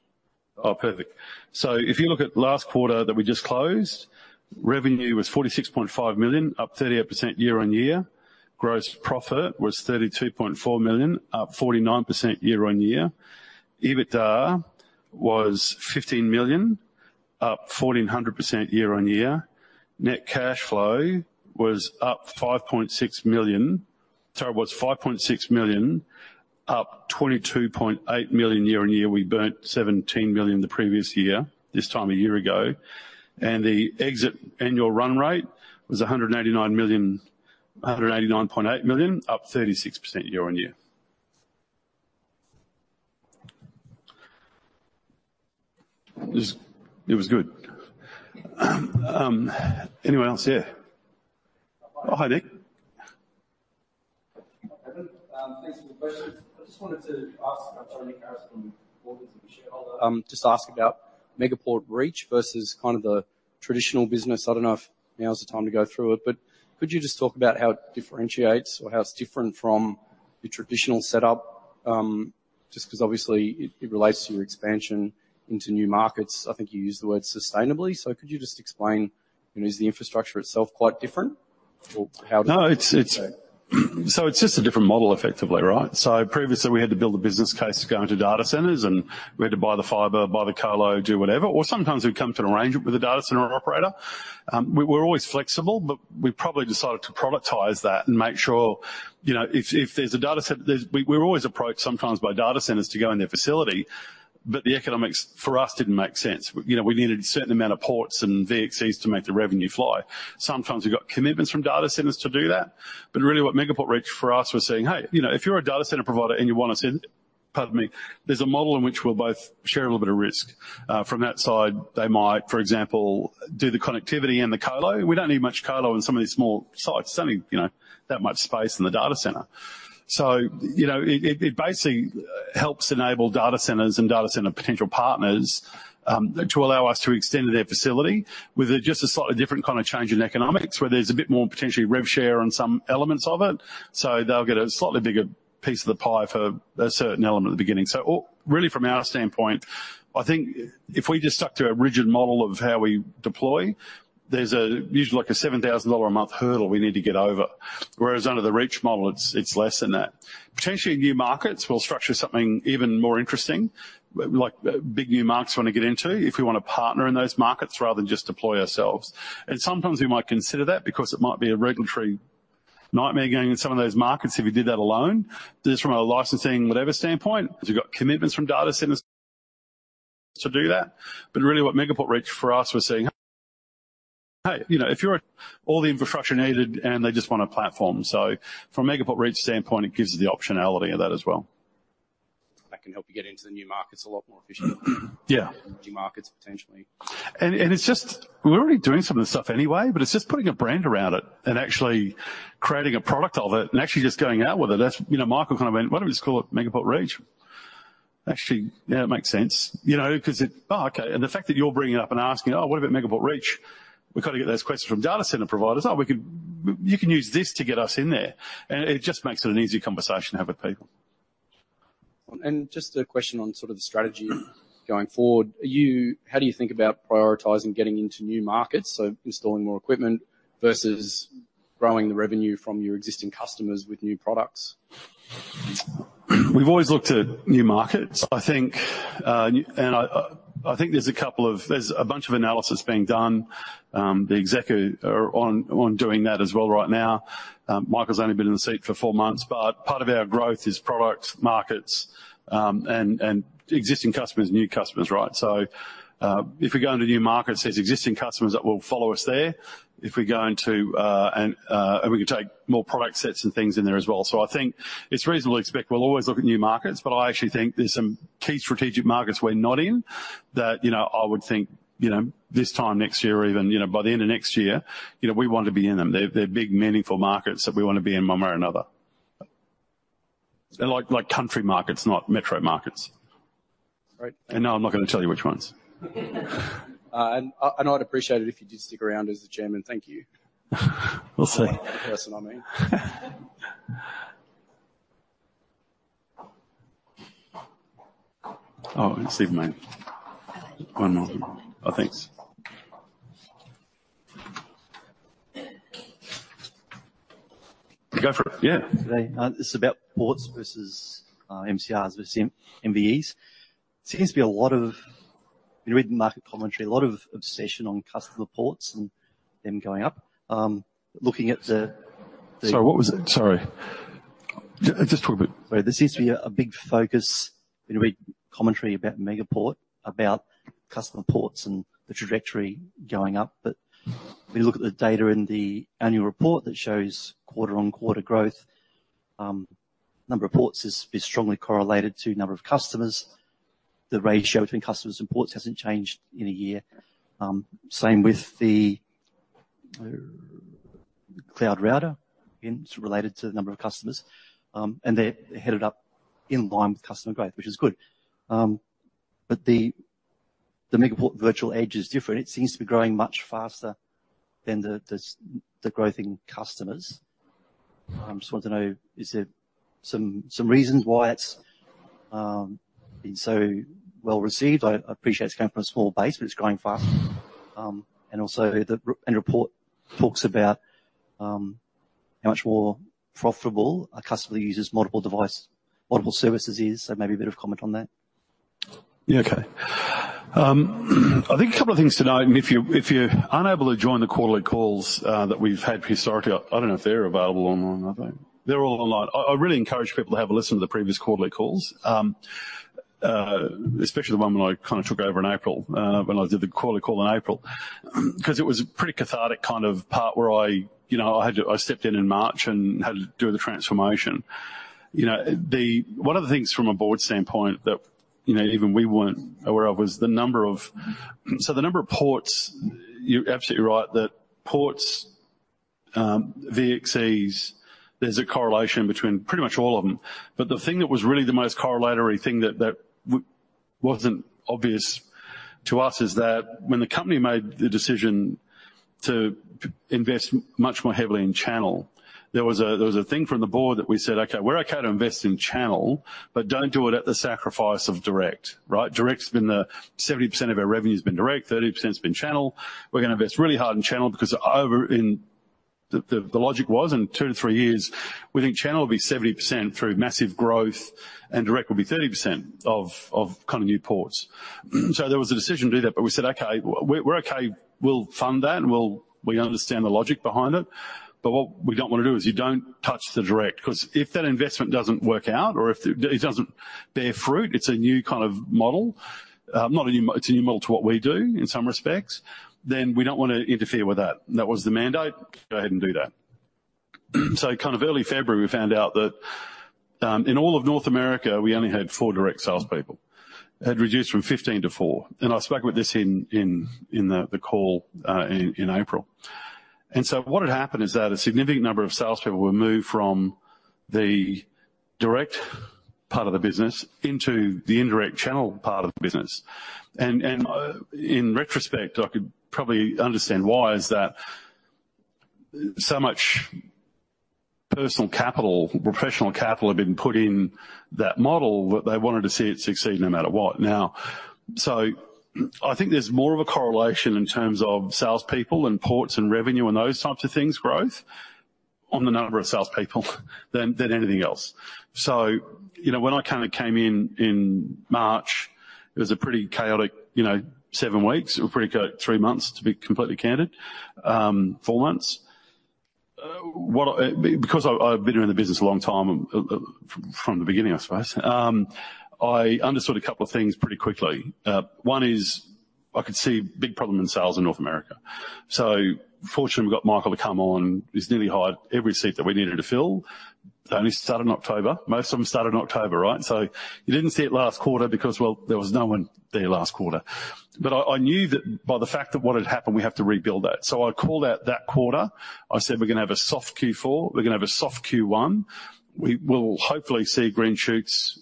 Oh, perfect. So if you look at last quarter that we just closed, revenue was 46.5 million, up 38% year-over-year. Gross profit was 32.4 million, up 49% year-over-year. EBITDA was 15 million, up 1,400% year-over-year. Net cash flow was up 5.6 million... Sorry, it was 5.6 million, up 22.8 million year-over-year. We burned 17 million the previous year, this time a year ago, and the exit annual run rate was 189 million, 189.8 million, up 36% year-over-year. Just, it was good. Anyone else? Yeah. Oh, hi, Nick. Just ask about Megaport Reach versus kind of the traditional business. I don't know if now is the time to go through it, but could you just talk about how it differentiates or how it's different from the traditional setup? Just 'cause obviously it relates to your expansion into new markets. I think you used the word sustainably. So could you just explain, you know, is the infrastructure itself quite different or how- No, it's just a different model, effectively, right? So previously, we had to build a business case to go into data centers, and we had to buy the fiber, buy the colo, do whatever, or sometimes we'd come to an arrangement with a data center operator. We're always flexible, but we probably decided to productize that and make sure, you know, if there's a data center, there's—we're always approached sometimes by data centers to go in their facility, but the economics for us didn't make sense. You know, we needed a certain amount of ports and VDCs to make the revenue fly. Sometimes we got commitments from data centers to do that, but really what Megaport Reach for us was saying, "Hey, you know, if you're a data center provider and you want to see..." Pardon me. There's a model in which we'll both share a little bit of risk. From that side, they might, for example, do the connectivity and the colo. We don't need much colo in some of these small sites, just only, you know, that much space in the data center. So, you know, it basically helps enable data centers and data center potential partners to allow us to extend their facility with just a slightly different kind of change in economics, where there's a bit more potentially rev share on some elements of it. So they'll get a slightly bigger piece of the pie for a certain element at the beginning. So really, from our standpoint, I think if we just stuck to a rigid model of how we deploy, there's usually, like, a 7,000 dollar a month hurdle we need to get over. Whereas under the Reach model, it's, it's less than that. Potentially, new markets will structure something even more interesting, like big new markets we want to get into, if we want to partner in those markets rather than just deploy ourselves. And sometimes we might consider that because it might be a regulatory nightmare going in some of those markets if we did that alone, just from a licensing, whatever standpoint, because we've got commitments from data centers to do that. But really what Megaport Reach for us, we're saying, "Hey, you know, if you're all the infrastructure needed," and they just want a platform. So from a Megaport Reach standpoint, it gives us the optionality of that as well. That can help you get into the new markets a lot more efficiently. Yeah. New markets, potentially. And it's just, we're already doing some of this stuff anyway, but it's just putting a brand around it and actually creating a product of it and actually just going out with it. That's, you know, Michael kind of went, "Why don't we just call it Megaport Reach?" Actually, yeah, it makes sense, you know, 'cause it... Oh, okay, and the fact that you're bringing it up and asking: Oh, what about Megaport Reach? We've got to get those questions from data center providers. Oh, we could, you can use this to get us in there. And it just makes it an easy conversation to have with people. Just a question on sort of the strategy going forward. Are you - How do you think about prioritizing getting into new markets, so installing more equipment versus growing the revenue from your existing customers with new products? We've always looked at new markets. I think there's a couple of—there's a bunch of analysis being done. The exec are doing that as well right now. Michael's only been in the seat for four months, but part of our growth is products, markets, and existing customers, new customers, right? So, if we go into new markets, there's existing customers that will follow us there. If we go into new markets and we can take more product sets and things in there as well. I think it's reasonable to expect we'll always look at new markets, but I actually think there's some key strategic markets we're not in that, you know, I would think, you know, this time next year, or even, you know, by the end of next year, you know, we want to be in them. They're, they're big, meaningful markets that we want to be in one way or another. They're like, like, country markets, not metro markets. Great. No, I'm not going to tell you which ones. And I'd appreciate it if you did stick around as the chairman. Thank you. We'll see. The person I mean. Oh, excuse me. One more. Oh, thanks. Go for it. Yeah. Today, this is about ports versus MCRs versus MVEs. There seems to be a lot of... You read the market commentary, a lot of obsession on customer ports and them going up. Looking at the- Sorry, what was it? Sorry. Just talk about- Sorry, there seems to be a big focus when you read commentary about Megaport, about customer ports and the trajectory going up. But we look at the data in the annual report that shows quarter-on-quarter growth; number of ports is strongly correlated to number of customers. The ratio between customers and ports hasn't changed in a year. Same with the cloud router; again, it's related to the number of customers. And they're headed up in line with customer growth, which is good. But the Megaport Virtual Edge is different. It seems to be growing much faster than the growth in customers. I just want to know, is there some reasons why it's been so well received? I appreciate it's coming from a small base, but it's growing fast. Also, the annual report talks about how much more profitable a customer who uses multiple device, multiple services is. So maybe a bit of comment on that. Yeah, okay. I think a couple of things to note, and if you, if you're unable to join the quarterly calls, that we've had historically, I don't know if they're available online, are they? They're all online. I really encourage people to have a listen to the previous quarterly calls. Especially the one when I kind of took over in April, when I did the quarterly call in April. 'Cause it was a pretty cathartic kind of part where I, you know, I had to... I stepped in in March and had to do the transformation. You know, one of the things from a board standpoint that, you know, even we weren't aware of, was the number of-- so the number of ports, you're absolutely right, that ports, VXCs, there's a correlation between pretty much all of them. But the thing that was really the most corollary thing that wasn't obvious to us is that when the company made the decision to invest much more heavily in channel, there was a thing from the board that we said, "Okay, we're okay to invest in channel, but don't do it at the sacrifice of direct." Right? Direct's been the 70% of our revenue's been direct, 30%'s been channel. We're gonna invest really hard in channel because over in... The logic was in 2-3 years, we think channel will be 70% through massive growth, and direct will be 30% of kind of new ports. So there was a decision to do that, but we said, "Okay, we're okay. We'll fund that, and we'll understand the logic behind it, but what we don't want to do is you don't touch the direct. 'Cause if that investment doesn't work out or if it doesn't bear fruit, it's a new kind of model, it's a new model to what we do in some respects, then we don't want to interfere with that. And that was the mandate. Go ahead and do that. So kind of early February, we found out that in all of North America, we only had 4 direct salespeople. It had reduced from 15 to 4, and I spoke about this in the call in April. And so what had happened is that a significant number of salespeople were moved from the direct part of the business into the indirect channel part of the business. In retrospect, I could probably understand why, is that so much personal capital, professional capital, had been put in that model, that they wanted to see it succeed no matter what. Now, so I think there's more of a correlation in terms of salespeople and ports and revenue and those types of things, growth, on the number of salespeople than, than anything else. So, you know, when I kind of came in in March, it was a pretty chaotic, you know, seven weeks. It was a pretty chaotic three months, to be completely candid, four months. What, because I've, I've been in the business a long time, from the beginning, I suppose, I understood a couple of things pretty quickly. One is I could see a big problem in sales in North America. So fortunately, we got Michael to come on, he's nearly hired every seat that we needed to fill. Only started in October. Most of them started in October, right? So you didn't see it last quarter because, well, there was no one there last quarter. But I knew that by the fact of what had happened, we have to rebuild that. So I called out that quarter. I said, "We're gonna have a soft Q4, we're gonna have a soft Q1. We will hopefully see green shoots,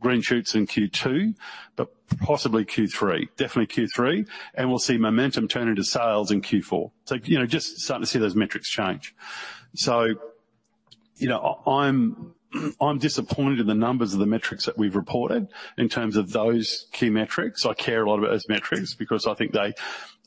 green shoots in Q2, but possibly Q3. Definitely Q3, and we'll see momentum turn into sales in Q4." So, you know, just starting to see those metrics change. So, you know, I'm disappointed in the numbers of the metrics that we've reported in terms of those key metrics. I care a lot about those metrics because I think they...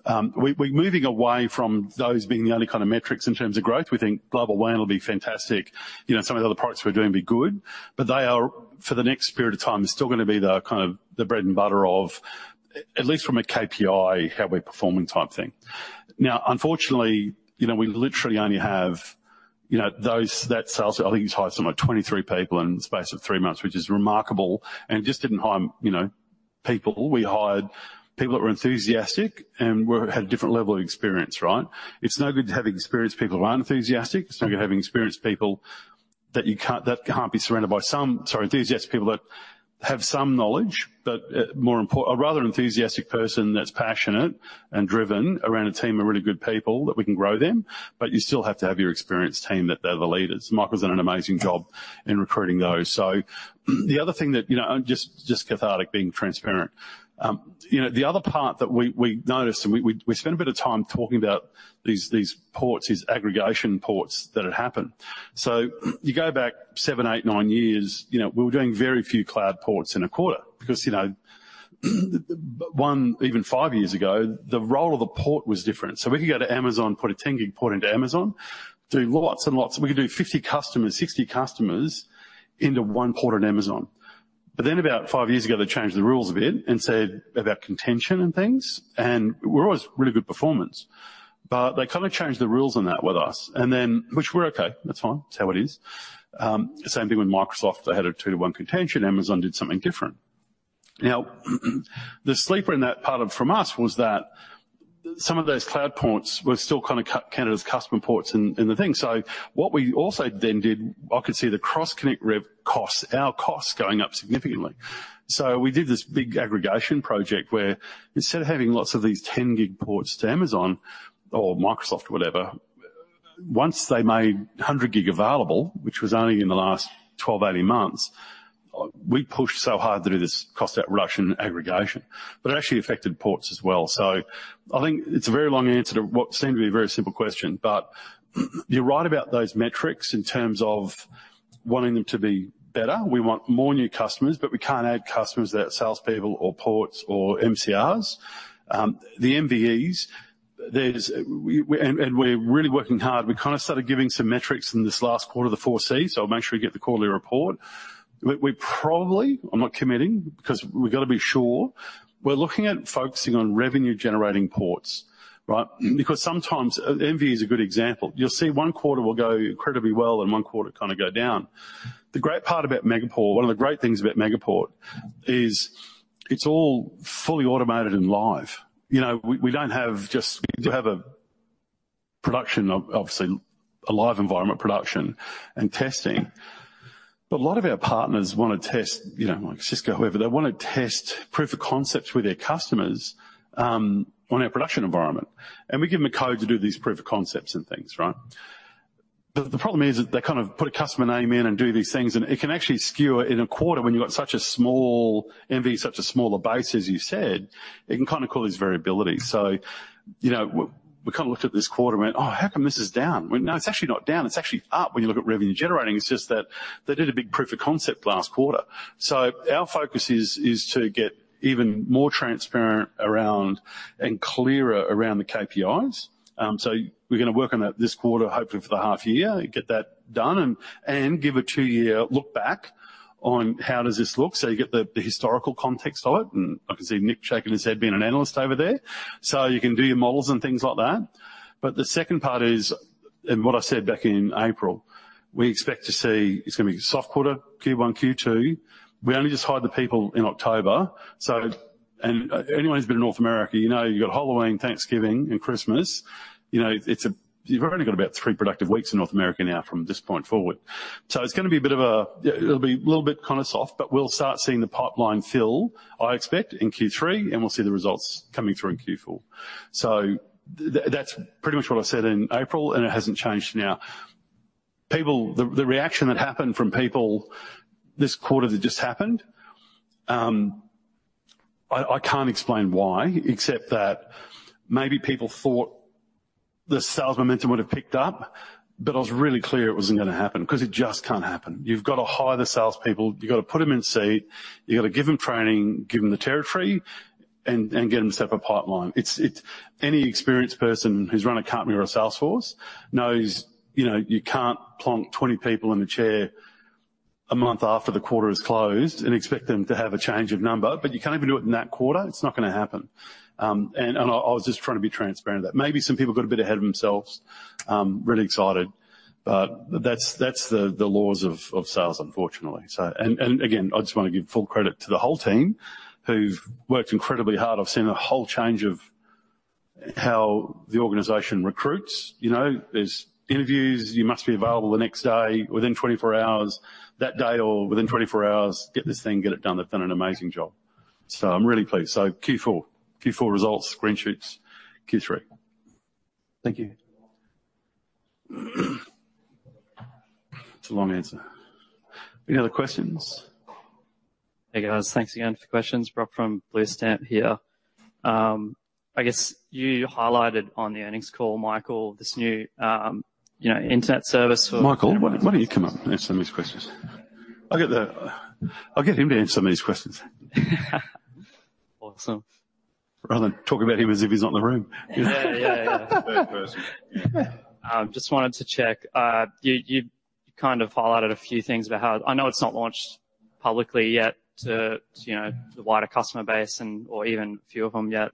We're moving away from those being the only kind of metrics in terms of growth. We think Global WAN will be fantastic. You know, some of the other products we're doing will be good, but they are, for the next period of time, still gonna be the kind of the bread and butter of, at least from a KPI, how we're performing type thing. Now, unfortunately, you know, we literally only have, you know, those, that sales. I think he's hired something like 23 people in the space of three months, which is remarkable, and just didn't hire, you know, people. We hired people that were enthusiastic and had a different level of experience, right? It's no good to have experienced people who aren't enthusiastic. It's no good having experienced people that you can't, that can't be surrounded by some enthusiastic people that have some knowledge, but a rather enthusiastic person that's passionate and driven around a team of really good people, that we can grow them, but you still have to have your experienced team, that they're the leaders. Michael's done an amazing job in recruiting those. So the other thing that, you know, I'm just cathartic, being transparent. You know, the other part that we noticed, and we spent a bit of time talking about these ports, these aggregation ports that had happened. So you go back 7, 8, 9 years, you know, we were doing very few cloud ports in a quarter because, you know, one, even 5 years ago, the role of the port was different. So we could go to Amazon, put a 10-gig port into Amazon, do lots and lots. We could do 50 customers, 60 customers into one port on Amazon.... But then about 5 years ago, they changed the rules a bit and said about contention and things, and we're always really good performance. But they kind of changed the rules on that with us, and then—which we're okay, that's fine. It's how it is. Same thing with Microsoft. They had a 2-to-1 contention, Amazon did something different. Now, the sleeper in that part of from us was that some of those cloud ports were still kind of counted as customer ports in the thing. So what we also then did, I could see the cross-connect rev costs, our costs, going up significantly. So we did this big aggregation project where instead of having lots of these 10 gig ports to Amazon or Microsoft or whatever, once they made 100 gig available, which was only in the last 12-18 months, we pushed so hard to do this cost out reduction aggregation, but it actually affected ports as well. So I think it's a very long answer to what seemed to be a very simple question, but you're right about those metrics in terms of wanting them to be better. We want more new customers, but we can't add customers without salespeople or ports or MCRs. The MVEs, and we're really working hard. We kind of started giving some metrics in this last quarter, the four Cs, so make sure you get the quarterly report. We probably, I'm not committing because we've got to be sure, we're looking at focusing on revenue generating ports, right? Because sometimes, MVE is a good example. You'll see one quarter will go incredibly well and one quarter kind of go down. The great part about Megaport, one of the great things about Megaport is it's all fully automated and live. You know, we don't have just, we do have a production of obviously a live environment, production and testing, but a lot of our partners want to test, you know, like Cisco, whoever, they want to test proof of concepts with their customers, on our production environment, and we give them a code to do these proof of concepts and things, right? But the problem is that they kind of put a customer name in and do these things, and it can actually skew it in a quarter when you've got such a small MVE, such a smaller base, as you said, it can kind of cause variability. So, you know, we kind of looked at this quarter and went, "Oh, how come this is down?" When, no, it's actually not down, it's actually up when you look at revenue generating. It's just that they did a big proof of concept last quarter. So our focus is to get even more transparent around and clearer around the KPIs. So we're going to work on it this quarter, hopefully for the half year, get that done and give a two-year look back on how does this look so you get the historical context of it. I can see Nick shaking his head, being an analyst over there. So you can do your models and things like that. But the second part is, and what I said back in April, we expect to see it's going to be a soft quarter, Q1, Q2. We only just hired the people in October, so. And, anyone who's been to North America, you know, you've got Halloween, Thanksgiving, and Christmas. You know, it's a, you've only got about three productive weeks in North America now from this point forward. So it's going to be a bit of a, it'll be a little bit kind of soft, but we'll start seeing the pipeline fill, I expect, in Q3, and we'll see the results coming through in Q4. So that's pretty much what I said in April, and it hasn't changed now. People, the reaction that happened from people this quarter that just happened, I can't explain why, except that maybe people thought the sales momentum would have picked up, but I was really clear it wasn't going to happen because it just can't happen. You've got to hire the salespeople, you've got to put them in seat, you've got to give them training, give them the territory, and get them to set up a pipeline. It's any experienced person who's run a company or a sales force knows, you know, you can't plonk 20 people in a chair a month after the quarter is closed and expect them to have a change of number, but you can't even do it in that quarter. It's not going to happen. And, and I was just trying to be transparent that maybe some people got a bit ahead of themselves, really excited, but that's, that's the, the laws of, of sales, unfortunately. So, and again, I just want to give full credit to the whole team who've worked incredibly hard. I've seen a whole change of how the organization recruits. You know, there's interviews. You must be available the next day, within 24 hours, that day or within 24 hours. Get this thing, get it done. They've done an amazing job. So I'm really pleased. So Q4. Q4 results, screenshots, Q3. Thank you. It's a long answer. Any other questions? Hey, guys. Thanks again for the questions. Rob from Blue Stamp here. I guess you highlighted on the earnings call, Michael, this new, you know, internet service for- Michael, why, why don't you come up and answer some of these questions? I'll get him to answer some of these questions. Awesome. Rather than talk about him as if he's not in the room. Yeah, yeah, yeah. Third person. Just wanted to check, you, you kind of highlighted a few things about how... I know it's not launched publicly yet to, to, you know, the wider customer base and or even a few of them yet,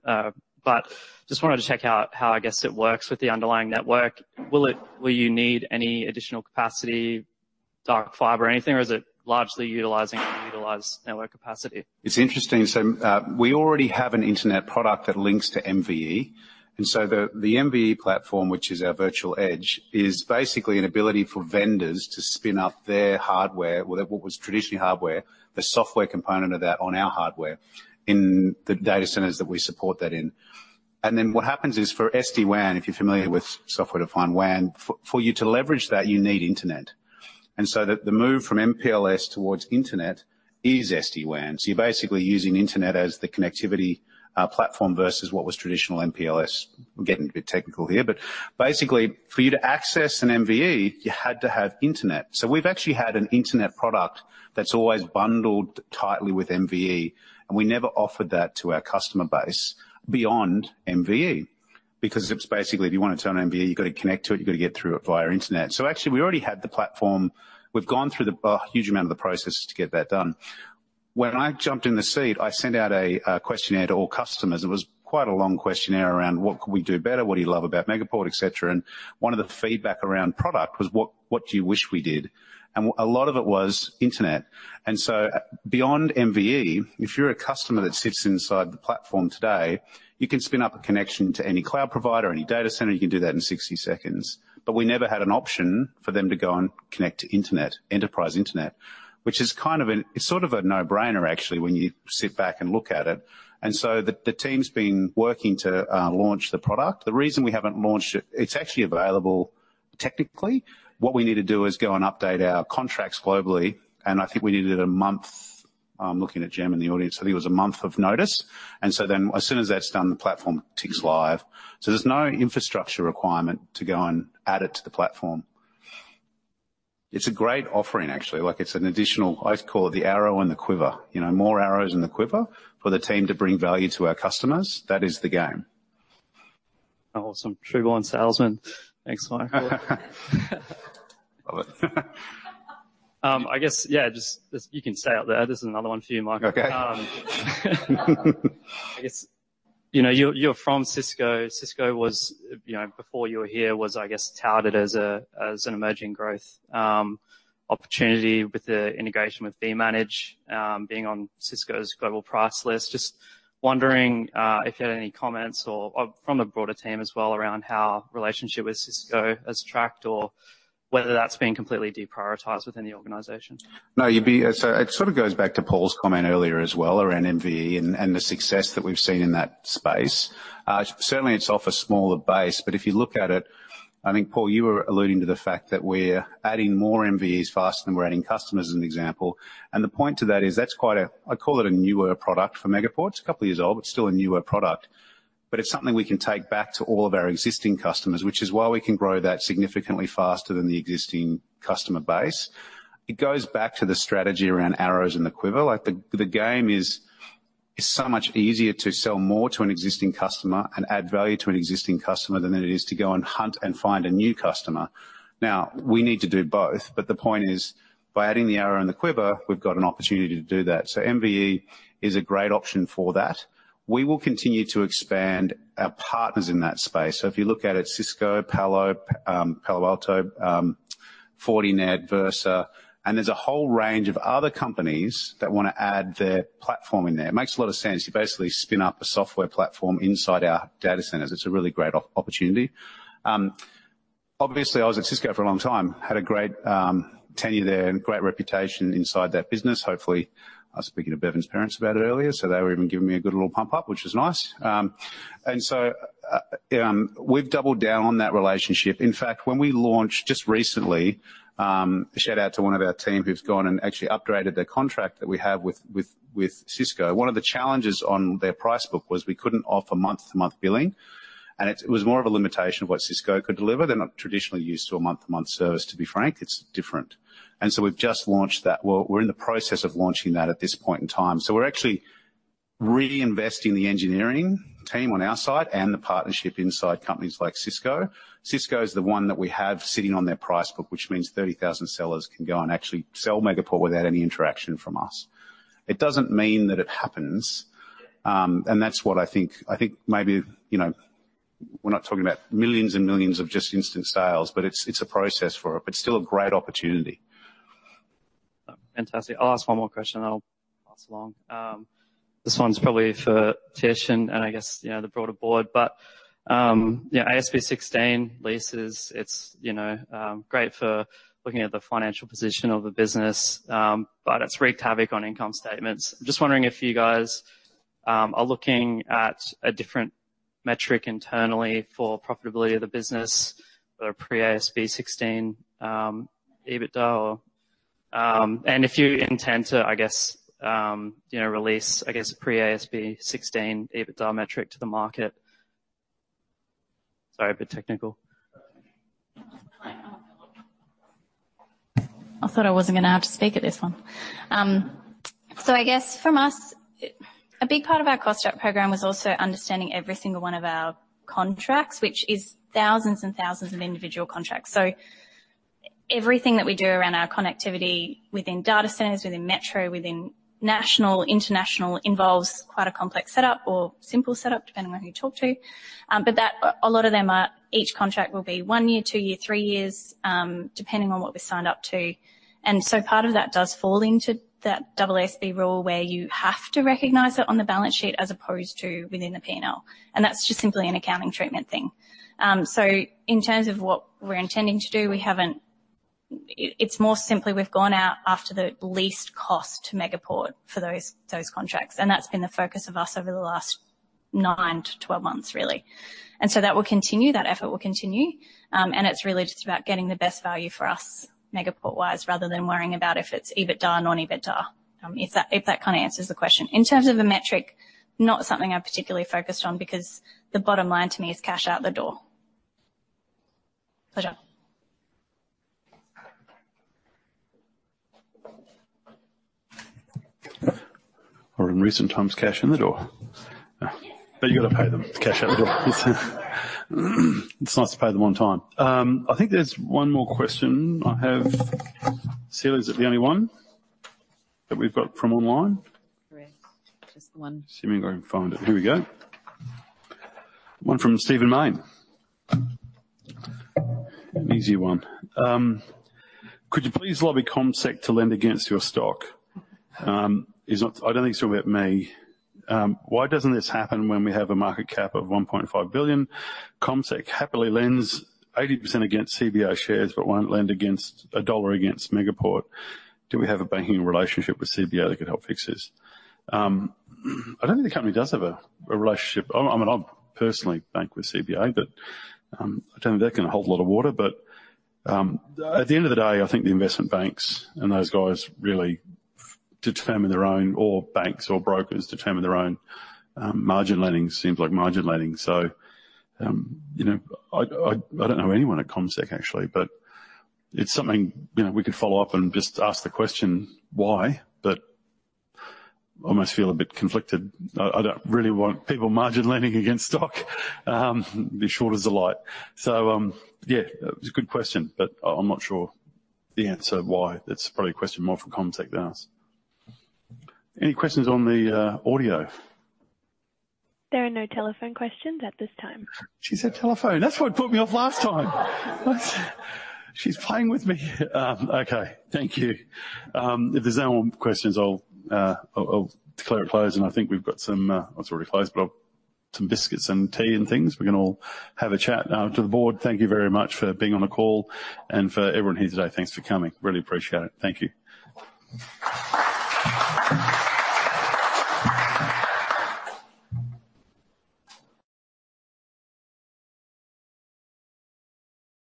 but just wanted to check out how, I guess, it works with the underlying network. Will it, will you need any additional capacity, dark fiber or anything, or is it largely utilizing, utilized network capacity? It's interesting. So, we already have an internet product that links to MVE, and so the MVE platform, which is our virtual edge, is basically an ability for vendors to spin up their hardware, well, what was traditionally hardware, the software component of that, on our hardware in the data centers that we support that in. And then what happens is, for SD-WAN, if you're familiar with software-defined WAN, for you to leverage that, you need internet. And so the move from MPLS towards internet is SD-WAN. So you're basically using internet as the connectivity platform versus what was traditional MPLS. We're getting a bit technical here, but basically, for you to access an MVE, you had to have internet. So we've actually had an internet product that's always bundled tightly with MVE, and we never offered that to our customer base beyond MVE. Because it's basically, if you want it to an MVE, you've got to connect to it, you've got to get through it via internet. So actually, we already had the platform. We've gone through the huge amount of the process to get that done. We-... When I jumped in the seat, I sent out a questionnaire to all customers. It was quite a long questionnaire around what could we do better, what do you love about Megaport, et cetera. And one of the feedback around product was what do you wish we did? And a lot of it was internet. And so, beyond MVE, if you're a customer that sits inside the platform today, you can spin up a connection to any cloud provider, any data center, you can do that in 60 seconds. But we never had an option for them to go and connect to internet, enterprise internet, which is kind of it's sort of a no-brainer, actually, when you sit back and look at it. And so the team's been working to launch the product. The reason we haven't launched it... It's actually available technically. What we need to do is go and update our contracts globally, and I think we needed a month, looking at Jim in the audience, I think it was a month of notice. And so then as soon as that's done, the platform ticks live. So there's no infrastructure requirement to go and add it to the platform. It's a great offering, actually, like, it's an additional, I call it the arrow in the quiver. You know, more arrows in the quiver for the team to bring value to our customers. That is the game. Awesome. True-born salesman. Thanks, Mike. Love it. I guess, yeah, just you can stay out there. This is another one for you, Mike. Okay. I guess, you know, you're, you're from Cisco. Cisco was, you know, before you were here, I guess, touted as an emerging growth opportunity with the integration with vManage being on Cisco's global price list. Just wondering if you had any comments or from the broader team as well, around how relationship with Cisco has tracked, or whether that's been completely deprioritized within the organization? No. So it sort of goes back to Paul's comment earlier as well, around MVE and the success that we've seen in that space. Certainly, it's off a smaller base, but if you look at it, I think, Paul, you were alluding to the fact that we're adding more MVEs faster than we're adding customers, as an example. And the point to that is that's quite a, I call it a newer product for Megaport. It's a couple years old, but still a newer product. But it's something we can take back to all of our existing customers, which is why we can grow that significantly faster than the existing customer base. It goes back to the strategy around arrows and the quiver. Like, the game is so much easier to sell more to an existing customer and add value to an existing customer than it is to go and hunt and find a new customer. Now, we need to do both, but the point is, by adding the arrow and the quiver, we've got an opportunity to do that. So MVE is a great option for that. We will continue to expand our partners in that space. So if you look at it, Cisco, Palo Alto, Fortinet, Versa, and there's a whole range of other companies that want to add their platform in there. It makes a lot of sense. You basically spin up a software platform inside our data centers. It's a really great opportunity. Obviously, I was at Cisco for a long time, had a great tenure there and great reputation inside that business. Hopefully, I was speaking to Bevan's parents about it earlier, so they were even giving me a good little pump up, which is nice. And so, we've doubled down on that relationship. In fact, when we launched just recently, shout out to one of our team who's gone and actually upgraded their contract that we have with Cisco. One of the challenges on their price book was we couldn't offer month-to-month billing, and it was more of a limitation of what Cisco could deliver. They're not traditionally used to a month-to-month service, to be frank. It's different. And so we've just launched that. Well, we're in the process of launching that at this point in time. So we're actually reinvesting the engineering team on our side and the partnership inside companies like Cisco. Cisco is the one that we have sitting on their price book, which means 30,000 sellers can go and actually sell Megaport without any interaction from us. It doesn't mean that it happens, and that's what I think. I think maybe, you know, we're not talking about millions and millions of just instant sales, but it's, it's a process for it, but still a great opportunity. Fantastic. I'll ask one more question, then I'll pass along. This one's probably for Letitia and I guess, you know, the broader board, but, yeah, AASB 16 Leases, it's, you know, great for looking at the financial position of the business, but it's wreaked havoc on income statements. I'm just wondering if you guys are looking at a different metric internally for profitability of the business or pre-AASB 16 EBITDA, or... And if you intend to, I guess, you know, release, I guess, a pre-AASB 16 EBITDA metric to the market. Sorry, a bit technical. I thought I wasn't gonna have to speak at this one. So I guess from us, a big part of our cost cut program was also understanding every single one of our contracts, which is thousands and thousands of individual contracts. So everything that we do around our connectivity within data centers, within metro, within national, international, involves quite a complex setup or simple setup, depending on who you talk to. But a lot of them are, each contract will be 1 year, 2 year, 3 years, depending on what we signed up to. And so part of that does fall into that AASB 16 rule, where you have to recognize it on the balance sheet as opposed to within the P&L, and that's just simply an accounting treatment thing. So in terms of what we're intending to do, we haven't... It's more simply we've gone out after the least cost to Megaport for those contracts, and that's been the focus of us over the last 9-12 months, really. And so that will continue, that effort will continue. And it's really just about getting the best value for us, Megaport-wise, rather than worrying about if it's EBITDA, non-EBITDA, if that kind of answers the question. In terms of a metric, not something I'm particularly focused on, because the bottom line to me is cash out the door. Pleasure. Or in recent times, cash in the door?... But you gotta pay them to cash out the door. It's nice to pay them on time. I think there's one more question I have. Celia, is it the only one that we've got from online? Correct. Just the one. See if I can go and find it. Here we go. One from Stephen Mayne. An easy one. Could you please lobby CommSec to lend against your stock? It's not... I don't think it's about me. Why doesn't this happen when we have a market cap of 1.5 billion? CommSec happily lends 80% against CBA shares, but won't lend a dollar against Megaport. Do we have a banking relationship with CBA that could help fix this? I don't think the company does have a relationship. I mean, I personally bank with CBA, but I don't think that's gonna hold a lot of water. But at the end of the day, I think the investment banks and those guys really determine their own, or banks or brokers determine their own, margin lending. Seems like margin lending. So, you know, I don't know anyone at CommSec, actually, but it's something, you know, we could follow up and just ask the question why? But I almost feel a bit conflicted. I don't really want people margin lending against stock. The short is all right. So, yeah, it's a good question, but I'm not sure the answer why. It's probably a question more for CommSec to ask. Any questions on the audio? There are no telephone questions at this time. She said telephone. That's what put me off last time! She's playing with me. Okay, thank you. If there's no more questions, I'll declare it closed, and I think we've got some, it's already closed, but some biscuits and tea and things. We can all have a chat. Now, to the board, thank you very much for being on the call and for everyone here today, thanks for coming. Really appreciate it. Thank you.